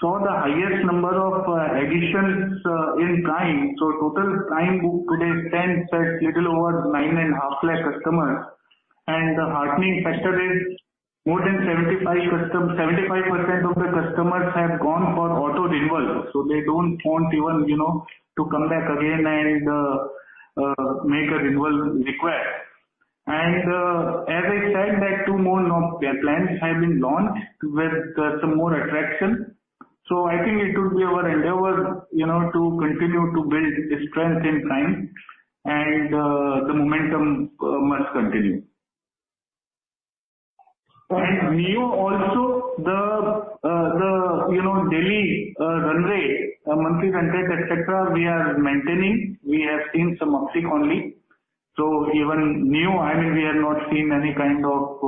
saw the highest number of additions in Prime. Total Prime book today stands at little over 9.5 lakh customers. The heartening factor is more than 75% of the customers have gone for auto renewal, so they don't want even, you know, to come back again and make a renewal request. As I said that two more, you know, plans have been launched with some more attraction. I think it will be our endeavor, you know, to continue to build strength in Prime and the momentum must continue. NEO also, the daily run rate, monthly run rate et cetera, we are maintaining. We have seen some uptick only. Even NEO, I mean, we have not seen any kind of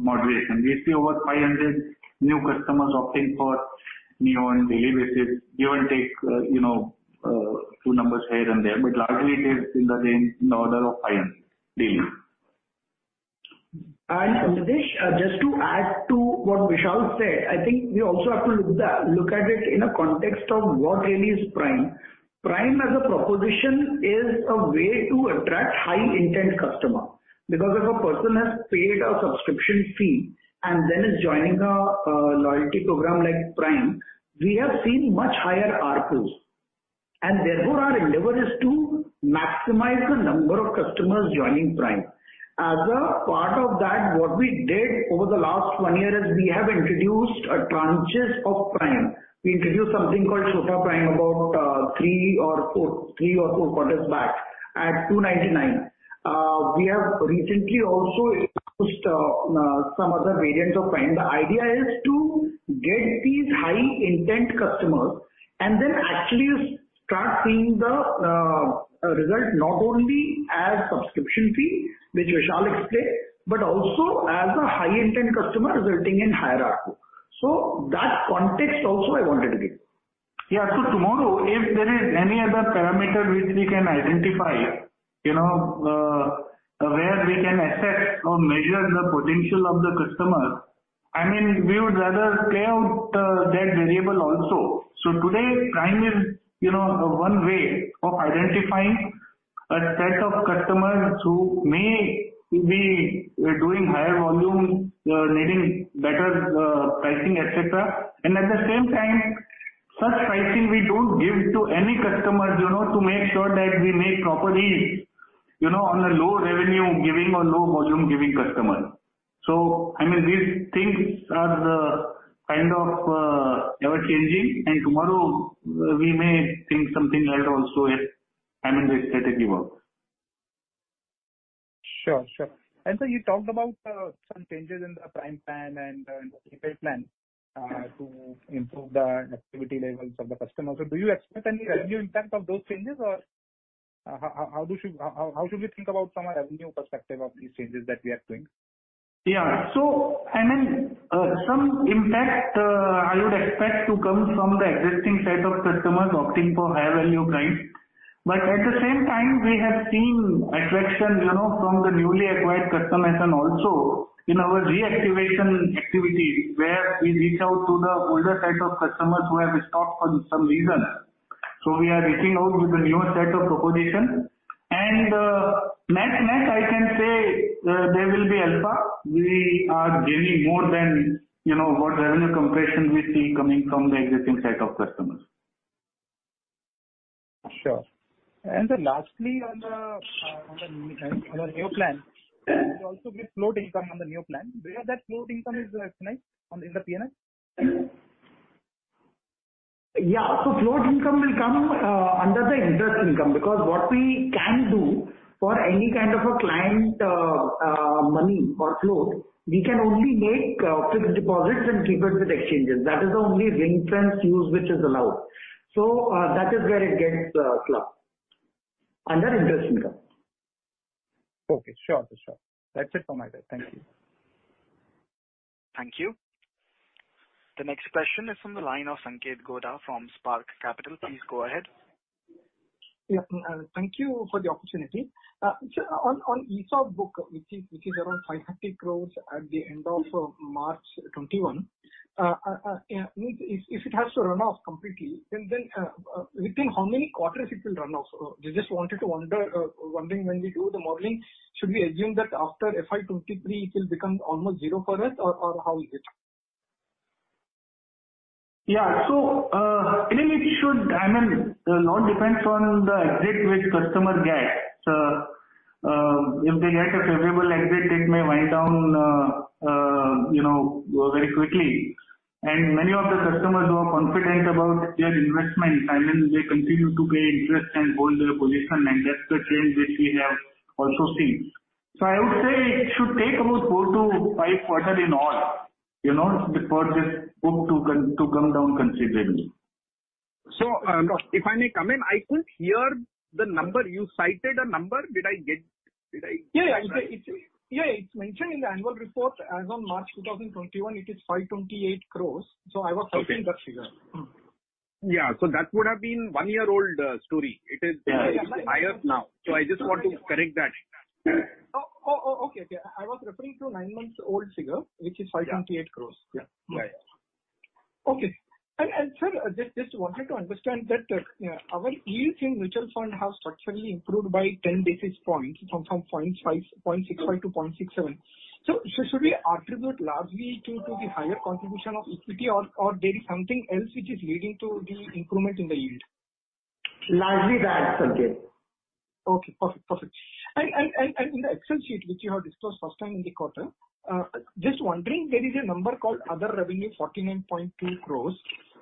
moderation. We see over 500 new customers opting for NEO on daily basis. Give or take, you know, two numbers here and there, but largely it is in the range, in the order of 500 daily. Nidhesh, just to add to what Vishal said, I think we also have to look at it in a context of what really is Prime. Prime as a proposition is a way to attract high intent customer. Because if a person has paid a subscription fee and then is joining a loyalty program like Prime, we have seen much higher ARPU. Therefore, our endeavor is to maximize the number of customers joining Prime. As a part of that, what we did over the last one year is we have introduced tranches of Prime. We introduced something called SOTA Prime about three or four quarters back at 299. We have recently also introduced some other variants of Prime. The idea is to get these high intent customers and then actually start seeing the result not only as subscription fee, which Vishal explained, but also as a high intent customer resulting in higher ARPU. That context also I wanted to give. Yeah. Tomorrow, if there is any other parameter which we can identify, you know, where we can assess or measure the potential of the customer, I mean, we would rather scale that variable also. Today, Prime is, you know, one way of identifying a set of customers who may be doing higher volume, needing better pricing, et cetera. At the same time, such pricing we don't give to any customer, you know, to make sure that we make properly, you know, on a low revenue-giving or low volume-giving customer. I mean, these things are the kind of ever-changing, and tomorrow we may think something else also if, I mean, the strategy works. Sure, sure. You talked about some changes in the Prime plan and in the prepaid plan to improve the activity levels of the customers. Do you expect any revenue impact of those changes? Or how should we think about from a revenue perspective of these changes that we are doing? Yeah. I mean, some impact I would expect to come from the existing set of customers opting for higher value Prime. At the same time, we have seen attraction, you know, from the newly acquired customers, and also in our reactivation activity, where we reach out to the older set of customers who have stopped for some reason. We are reaching out with a newer set of proposition. Net-net, I can say, there will be alpha. We are giving more than, you know, what revenue compression we see coming from the existing set of customers. Sure. Lastly, on the new plan. Yeah. You also give float income on the new plan. Where that float income is recognized in the P&L? Float income will come under the interest income, because what we can do for any kind of a client, money or float, we can only make fixed deposits and keep it with exchanges. That is the only ring-fence use which is allowed. That is where it gets clubbed under interest income. Okay. Sure, sure. That's it from my end. Thank you. Thank you. The next question is from the line of Sanketh Godha from Spark Capital. Please go ahead. Thank you for the opportunity. So on ESOP book, which is around 500 crore at the end of March 2021. Means if it has to run off completely, then within how many quarters it will run off? We're wondering when we do the modeling, should we assume that after FY 2023 it will become almost zero for us or how is it? Yeah. I mean, it all depends on the exit which customer gets. If they get a favorable exit, it may wind down, you know, very quickly. Many of the customers who are confident about their investments, I mean, they continue to pay interest and hold their position. That's the trend which we have also seen. I would say it should take about four to five quarters in all, you know, for this book to come down considerably. If I may come in, I couldn't hear the number. You cited a number. Did I get that? Yeah, yeah. It's, yeah, it's mentioned in the annual report. As on March 2021, it is 528 crores. I was quoting that figure. Okay. Yeah. That would have been one year old story. It is Yeah, yeah. Higher now. I just want to correct that. Yeah. I was referring to nine months old figure, which is 528 crores. Yeah. Right. Okay. sir, just wanted to understand that our yield in mutual fund have structurally improved by 10 basis points from 0.5, 0.65 to 0.67. Should we attribute largely to the higher contribution of equity or there is something else which is leading to the improvement in the yield? Largely that, Sanketh. Okay, perfect. In the Excel sheet, which you have disclosed first time in the quarter, just wondering, there is a number called other revenue, 49.2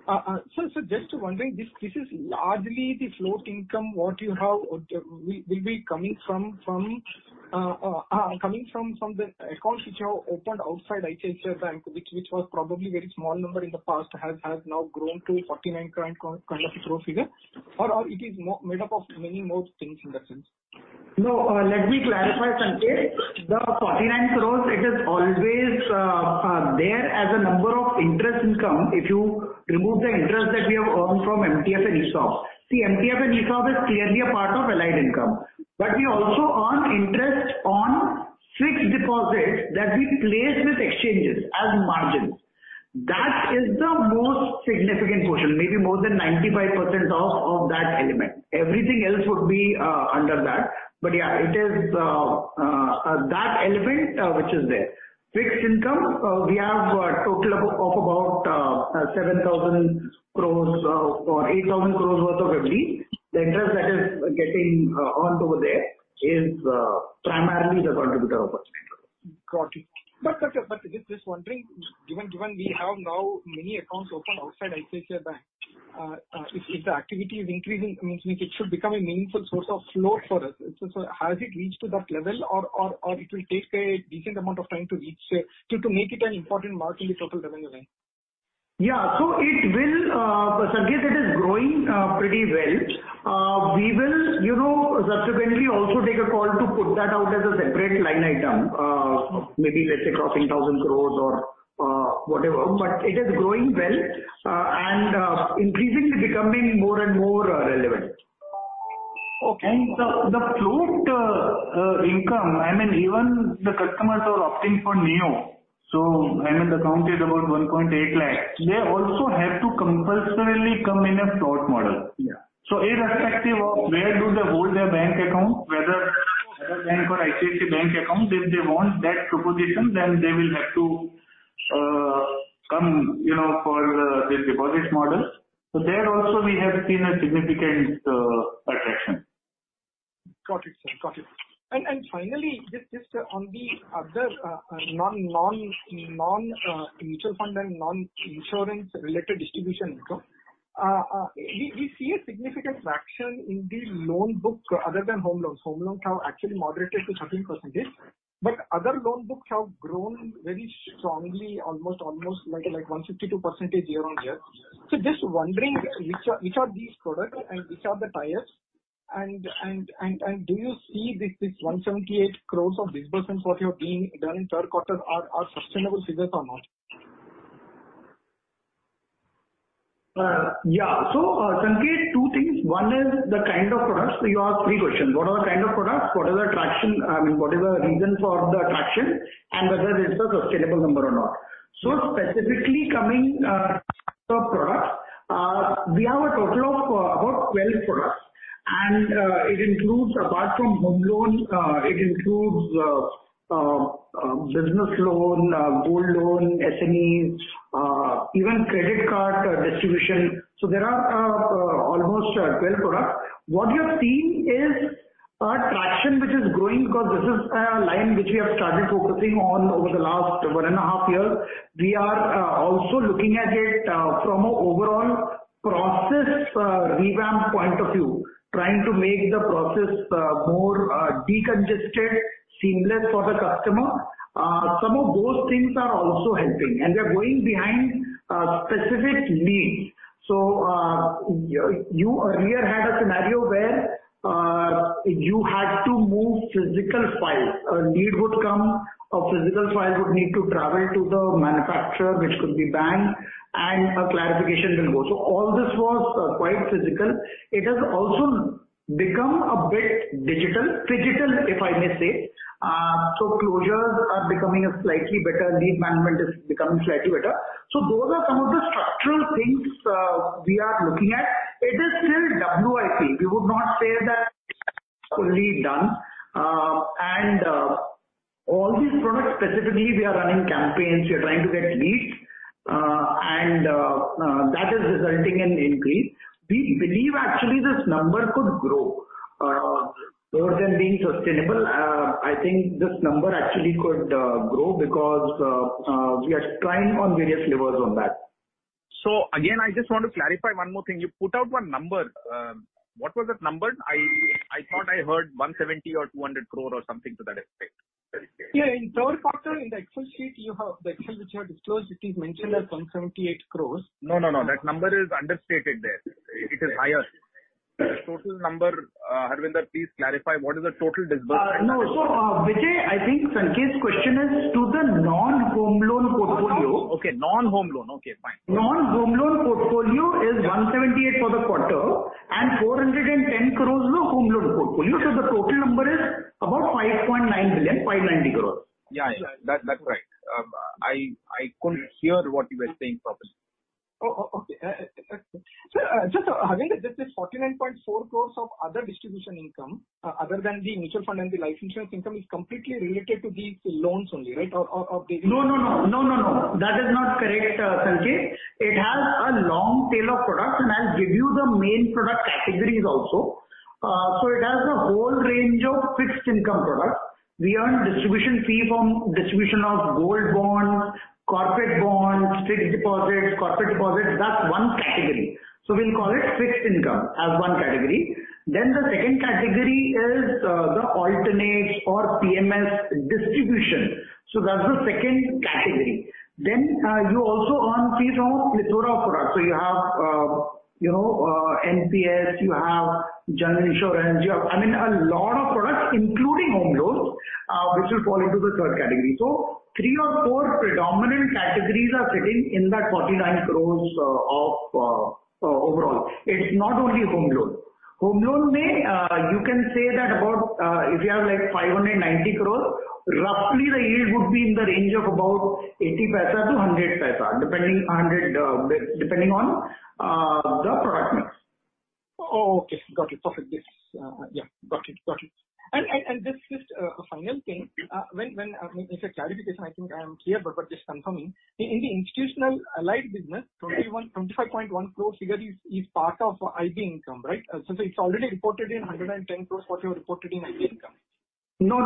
crore. Just wondering, this is largely the float income what you have will be coming from coming from the accounts which you have opened outside ICICI Bank, which was probably very small number in the past, has now grown to 49 crore kind of a figure or it is made up of many more things in that sense? No. Let me clarify, Sanketh. The 49 crore, it is always, There's a number of interest income, if you remove the interest that we have earned from MTF and ESOP. See, MTF and ESOP is clearly a part of allied income, but we also earn interest on fixed deposits that we place with exchanges as margins. That is the most significant portion, maybe more than 95% of that element. Everything else would be under that. But yeah, it is that element which is there. Fixed income, we have a total of about 7,000 crores or 8,000 crores worth of FD. The interest that is getting earned over there is primarily the contributor of Got it. Just wondering, given we have now many accounts open outside ICICI Bank, if the activity is increasing, it means it should become a meaningful source of flow for us. Has it reached to that level or it will take a decent amount of time to reach there to make it an important margin in total revenue line? Yeah. It will, Sanketh, it is growing pretty well. We will, you know, subsequently also take a call to put that out as a separate line item, maybe let's say crossing 1,000 crore or whatever, but it is growing well and increasingly becoming more and more relevant. Okay. The float income, I mean, even the customers who are opting for NEO, so I mean the count is about 1.8 lakh, they also have to compulsorily come in a float model. Yeah. Irrespective of where do they hold their bank account, whether other bank or ICICI Bank account, if they want that proposition, then they will have to come, you know, for this deposit model. There also we have seen a significant attraction. Got it, sir. Got it. Finally, just on the other non-mutual fund and non-insurance related distribution income. We see significant traction in the loan book other than home loans. Home loans have actually moderated to 13%, but other loan books have grown very strongly, almost 162% year-on-year. Just wondering which are these products and which are the tiers and do you see this 178 crore of disbursements that you have done in third quarter are sustainable figures or not? Sanketh, two things. One is the kind of products. You ask three questions. What are the kind of products, what is the traction, I mean, what is the reason for the traction and whether it's a sustainable number or not. Specifically coming to products, we have a total of about 12 products. It includes apart from home loans, business loan, gold loan, SMEs, even credit card distribution. There are almost 12 products. What we have seen is a traction which is growing because this is a line which we have started focusing on over the last one and a half years. We are also looking at it from a overall process revamp point of view, trying to make the process more decongested, seamless for the customer. Some of those things are also helping, and we are going behind specific needs. You earlier had a scenario where you had to move physical files. A lead would come, a physical file would need to travel to the manufacturer, which could be bank, and a clarification will go. All this was quite physical. It has also become a bit digital. Phygital, if I may say. Closures are becoming slightly better. Lead management is becoming slightly better. Those are some of the structural things we are looking at. It is still WIP. We would not say that it's fully done. All these products specifically, we are running campaigns, we are trying to get leads, and that is resulting in increase. We believe actually this number could grow. More than being sustainable, I think this number actually could grow because we are trying on various levers on that. Again, I just want to clarify one more thing. You put out one number. What was that number? I thought I heard 170 crore or 200 crore or something to that effect. Yeah. In third quarter in the Excel sheet you have the Excel which you have disclosed, it is mentioned as 178 crore. No, no. That number is understated there. It is higher. Total number. Harvinder, please clarify what is the total disbursement. No. Vijay, I think Sanketh's question is to the non-home loan portfolio. Okay, non-home loan. Okay, fine. Non-home loan portfolio is 178 for the quarter and 410 crores the home loan portfolio. The total number is about 5.9 billion, 590 crores. Yeah, that's right. I couldn't hear what you were saying properly. Okay. Sir, just, Harvinder, this is INR 49.4 crore of other distribution income other than the mutual fund and the life insurance income is completely related to these loans only, right? Or. No, no. That is not correct, Sanketh. It has a long tail of products, and I'll give you the main product categories also. It has a whole range of fixed income products. We earn distribution fee from distribution of gold bonds, corporate bonds, fixed deposits, corporate deposits. That's one category. We'll call it fixed income as one category. The second category is the alternates or PMS distribution. That's the second category. You also earn fees on a plethora of products. You have you know NPS, you have general insurance, you have, I mean, a lot of products, including home loans. Which will fall into the third category. Three or four predominant categories are sitting in that 49 crore of overall. It's not only home loan. Home loan may, you can say that about if you have, like, 590 crore, roughly the yield would be in the range of about 0.80-1.00, depending on the product mix. Oh, okay. Got it. Perfect. Yes. Yeah, got it. Just a final thing. Mm-hmm. It's a clarification. I think I am clear, but just confirming. In the institutional allied business. Yes. 21, 25.1 crore figure is part of IB income, right? It's already reported in 110 crores, what you have reported in IB income. No.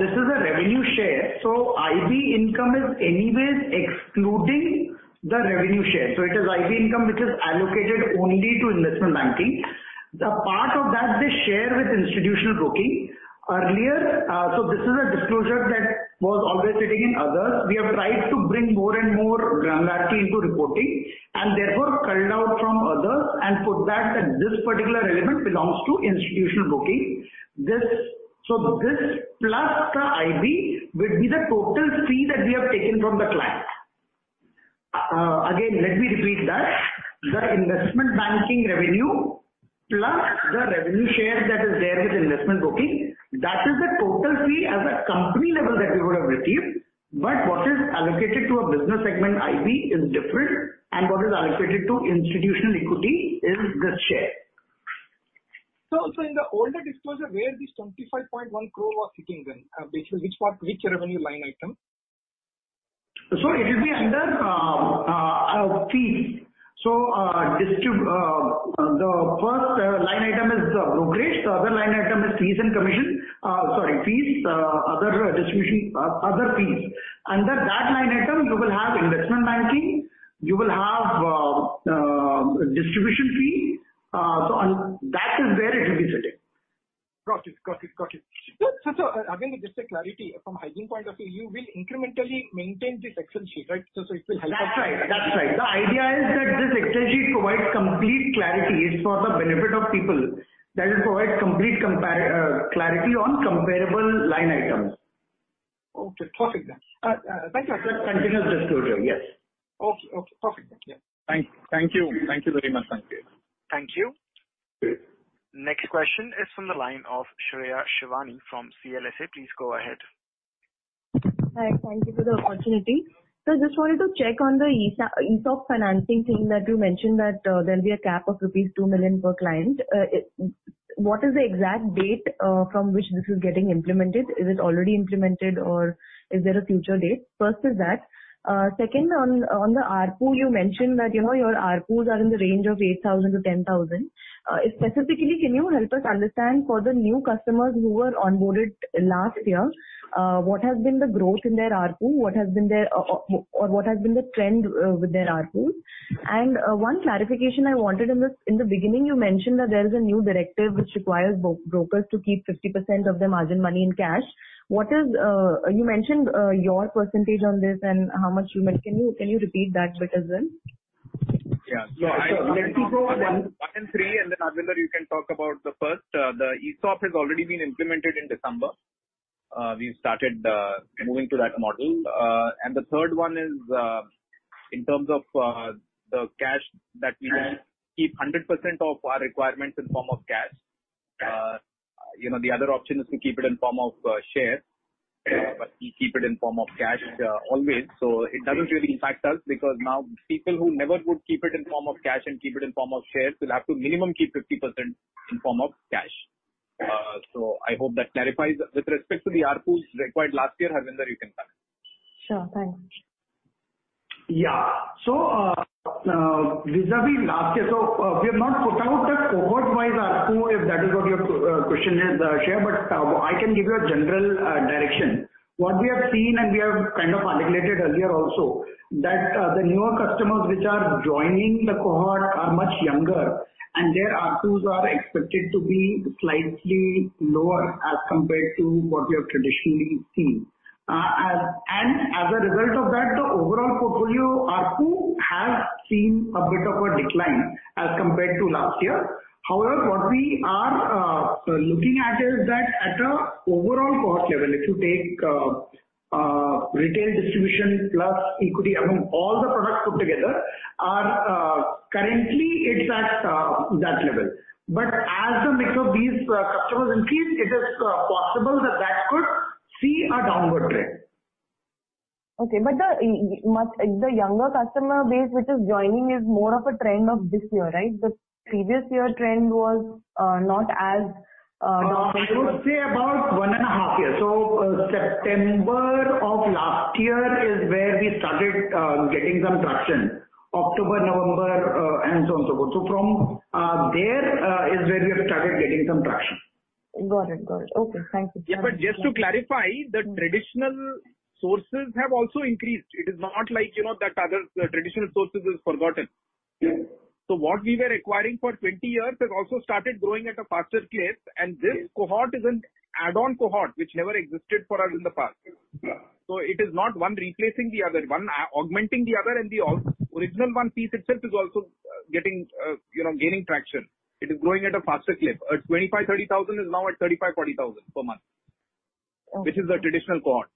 This is a revenue share. IB income is anyway excluding the revenue share. It is IB income which is allocated only to investment banking. The part of that they share with institutional broking. This is a disclosure that was always sitting in others. We have tried to bring more and more granularity into reporting and therefore called out from others and put that this particular element belongs to institutional broking. This plus the IB would be the total fee that we have taken from the client. Again, let me repeat that. The investment banking revenue plus the revenue share that is there with investment broking, that is the total fee as a company level that we would have received. What is allocated to a business segment IB is different and what is allocated to institutional equity is the share. In the older disclosure, where this 25.1 crore was sitting then? Which revenue line item? It will be under fees. The first line item is the brokerage. The other line item is fees and commission. Sorry, fees, other distribution, other fees. Under that line item, you will have investment banking, you will have distribution fee. So on. That is where it will be sitting. Got it. Again just a clarity from hygiene point of view. You will incrementally maintain this Excel sheet, right? It will help us. That's right. The idea is that this Excel sheet provides complete clarity. It's for the benefit of people that will provide complete clarity on comparable line items. Okay, perfect then. Thank you. That's continuous disclosure, yes. Okay, okay. Perfect. Thank you. Thank you very much, Sanket. Thank you. Okay. Next question is from the line of Shreya Shivani from CLSA. Please go ahead. Hi. Thank you for the opportunity. Just wanted to check on the ESOP financing thing that you mentioned that there'll be a cap of rupees 2 million per client. What is the exact date from which this is getting implemented? Is it already implemented or is there a future date? First is that. Second, on the ARPU, you mentioned that, you know, your ARPUs are in the range of 8,000-10,000. Specifically, can you help us understand for the new customers who were onboarded last year, what has been the growth in their ARPU? What has been their, or what has been the trend with their ARPUs? One clarification I wanted in this. In the beginning, you mentioned that there is a new directive which requires brokers to keep 50% of their margin money in cash. What is your percentage on this and how much you make? Can you repeat that bit as well? Yeah. Let me go one and three, and then, Harvinder, you can talk about the first. The ESOP has already been implemented in December. We started moving to that model. The third one is, in terms of, the cash that we don't keep 100% of our requirements in form of cash. You know, the other option is to keep it in form of share. Yeah. We keep it in form of cash always. It doesn't really impact us because now people who never would keep it in form of cash and keep it in form of shares will have to minimum keep 50% in form of cash. I hope that clarifies. With respect to the ARPUs required last year, Harvinder, you can comment. Sure. Thanks. Vis-à-vis last year, we have not put out the cohort-wise ARPU, if that is what your question is, Shreya. I can give you a general direction. What we have seen, and we have kind of articulated earlier also, that the newer customers which are joining the cohort are much younger and their ARPUs are expected to be slightly lower as compared to what we have traditionally seen. As a result of that, the overall portfolio ARPU has seen a bit of a decline as compared to last year. However, what we are looking at is that at a overall cohort level, if you take retail distribution plus equity, I mean, all the products put together are currently it's at that level. As the mix of these customers increase, it is possible that could see a downward trend. Okay. The much younger customer base which is joining is more of a trend of this year, right? The previous year trend was not as downward. I would say about 1.5 years. September of last year is where we started getting some traction. October, November, and so on, so forth. From there is where we have started getting some traction. Got it. Okay, thank you. Yeah, but just to clarify, the traditional sources have also increased. It is not like, you know, that other traditional sources is forgotten. Yes. What we were acquiring for 20 years has also started growing at a faster pace. Yes. This cohort is an add-on cohort which never existed for us in the past. Yeah. It is not one replacing the other, one augmenting the other and the original one piece itself is also, Getting, you know, gaining traction. It is growing at a faster clip. At 25-30 thousand is now at 35-40 thousand per month. Okay. Which is a traditional cohort.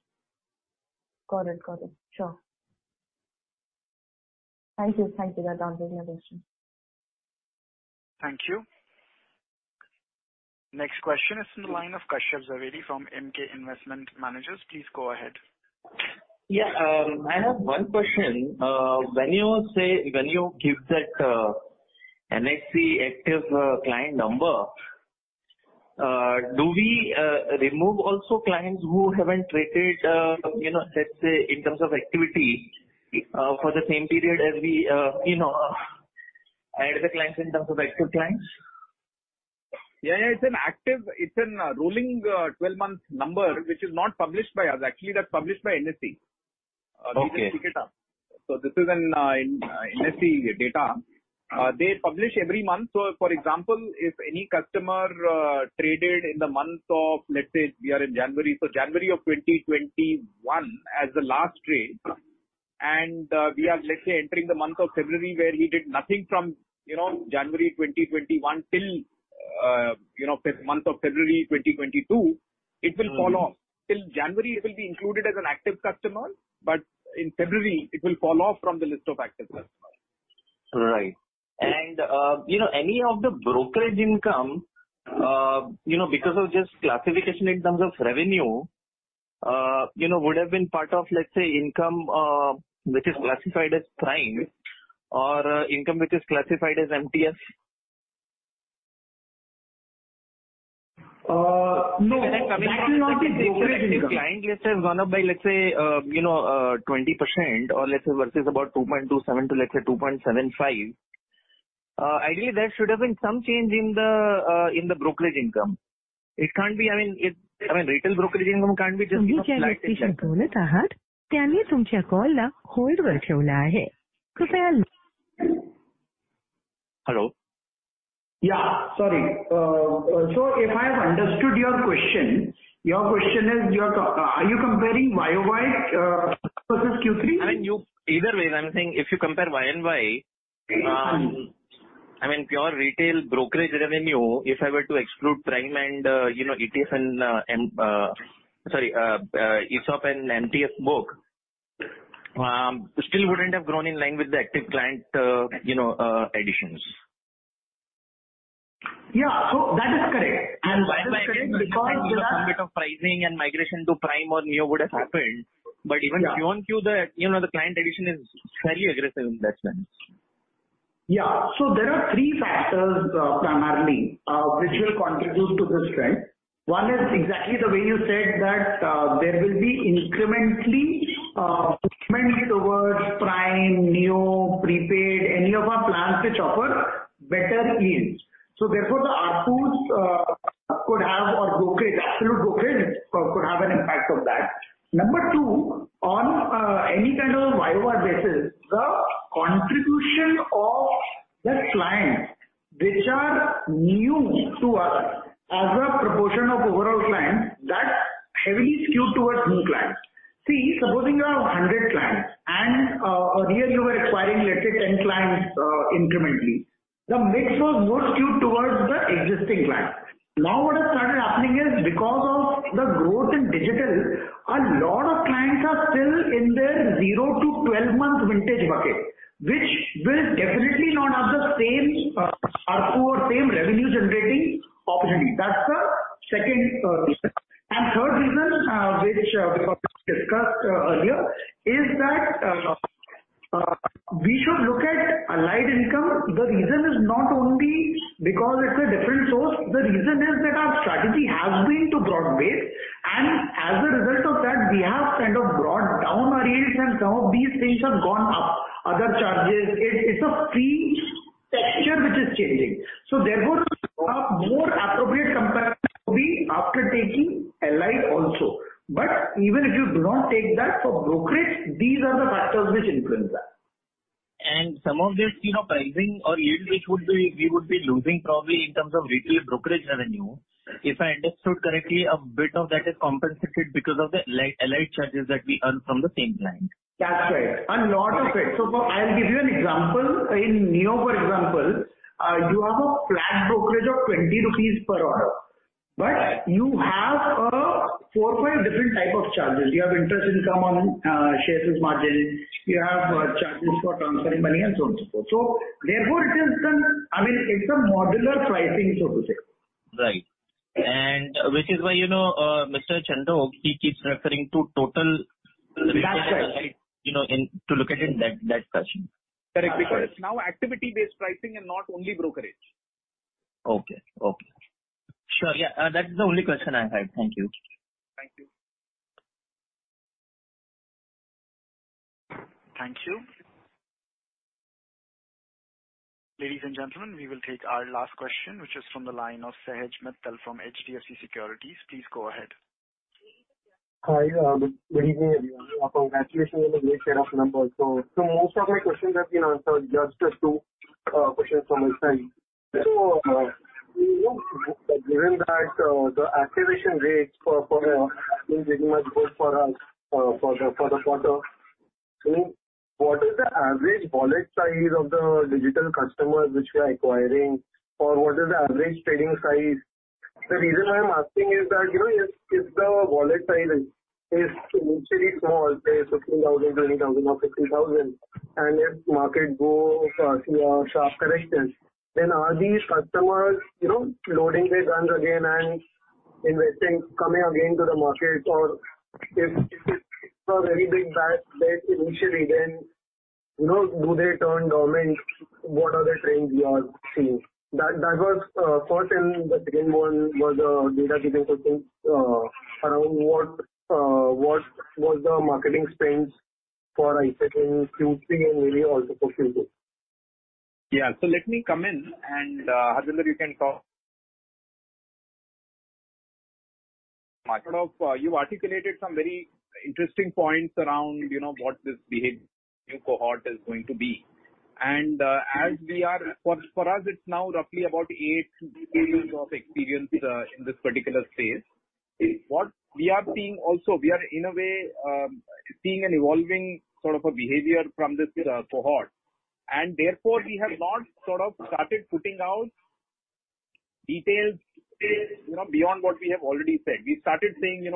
Got it. Sure. Thank you, Radhakrishnan. Thank you. Next question is in the line of Kashyap Javeri from Emkay Investment Managers. Please go ahead. Yeah. I have one question. When you give that NSE active client number, do we remove also clients who haven't traded, you know, let's say in terms of activity, for the same period as we, you know, add the clients in terms of active clients? Yeah, yeah. It's a rolling 12-month number which is not published by us. Actually, that's published by NSE. Okay. They pick it up. This is in NSE data. They publish every month. For example, if any customer traded in the month of, let's say, we are in January, so January of 2021 as the last trade, and we are, let's say, entering the month of February where he did nothing from January 2021 till fifth month of February 2022, it will fall off. Till January it will be included as an active customer, but in February it will fall off from the list of active customers. Right. You know, any of the brokerage income, you know, because of just classification in terms of revenue, you know, would have been part of, let's say, income, which is classified as Prime or income which is classified as MTF? No. That will not be brokerage income. If client list has gone up by, let's say, you know, 20% or let's say versus about 2.27-2.75, ideally there should have been some change in the brokerage income. It can't be. I mean, retail brokerage income can't be just flat. Hello? Yeah. Sorry. If I have understood your question, your question is, are you comparing YOY versus Q3? I mean, either way, I'm saying if you compare Y and Y, I mean pure retail brokerage revenue, if I were to exclude Prime and, you know, ESOP and MTF book, still wouldn't have grown in line with the active client additions. Yeah. That is correct. That is correct because there are Some bit of pricing and migration to Prime or NEO would have happened. Even beyond Q1, you know, the client addition is very aggressive in that sense. Yeah. There are three factors, primarily, which will contribute to this trend. One is exactly the way you said that, there will be incrementally, movement towards Prime, Neo, prepaid, any of our plans which offer better yields. Therefore, the ARPUs could have or brokerage, absolute brokerage could have an impact of that. Number two, on any kind of YOY basis, the contribution of the clients which are new to us as a proportion of overall clients, that's heavily skewed towards new clients. See, supposing you have 100 clients and earlier you were acquiring, let's say 10 clients incrementally. The mix was more skewed towards the existing clients. Now, what has started happening is because of the growth in digital, a lot of clients are still in their 0-12-month vintage bucket, which will definitely not have the same ARPU or same revenue-generating opportunity. That's the second reason. Third reason, which we probably discussed earlier, is that we should look at allied income. The reason is not only because it's a different source. The reason is that our strategy has been to broad base, and as a result of that we have kind of brought down our yields and some of these things have gone up, other charges. It's a fee structure which is changing. Therefore, a more appropriate comparison will be after taking allied also. But even if you do not take that for brokerage, these are the factors which influence that. Some of this, you know, pricing or yield which we would be losing probably in terms of retail brokerage revenue. If I understood correctly, a bit of that is compensated because of the allied charges that we earn from the same client. That's right. A lot of it. I'll give you an example. In NEO, for example, you have a flat brokerage of 20 rupees per order, but you have 4, 5 different type of charges. You have interest income on shares as margin. You have charges for transferring money and so on, so forth. Therefore, it is an I mean, it's a modular pricing, so to say. Right. Which is why, you know, Mr. Chandok, he keeps referring to total- That's right. You know, to look at it in that fashion. Correct. Because now activity-based pricing and not only brokerage. Okay. Sure. Yeah. That is the only question I had. Thank you. Thank you. Thank you. Ladies and gentlemen, we will take our last question, which is from the line of Sahej Mittal from HDFC Securities. Please go ahead. Hi. Good evening, everyone. Congratulations on a great set of numbers. Most of my questions have been answered. Just two questions from my side. You know, given that the activation rates for have been really much good for the quarter. I mean, what is the average wallet size of the digital customers which you are acquiring? Or what is the average trading size? The reason why I'm asking is that, you know, if the wallet size is initially small, say INR 15,000, INR 20,000 or INR 50,000, and if market go through a sharp correction, then are these customers, you know, loading their guns again and investing, coming again to the market? Or if it's a very big bad bet initially, then, you know, do they turn dormant? What are the trends you all seeing? That was first and the second one was data-driven question around what was the marketing spends for, let's say in Q3 and maybe also for Q4. Yeah. Let me come in and, Harvinder, you can talk. You articulated some very interesting points around, you know, what this new cohort is going to be. For us it's now roughly about eight years of experience in this particular space. What we are seeing also, we are in a way, seeing an evolving sort of a behavior from this cohort. Therefore, we have not sort of started putting out details, you know, beyond what we have already said. We started saying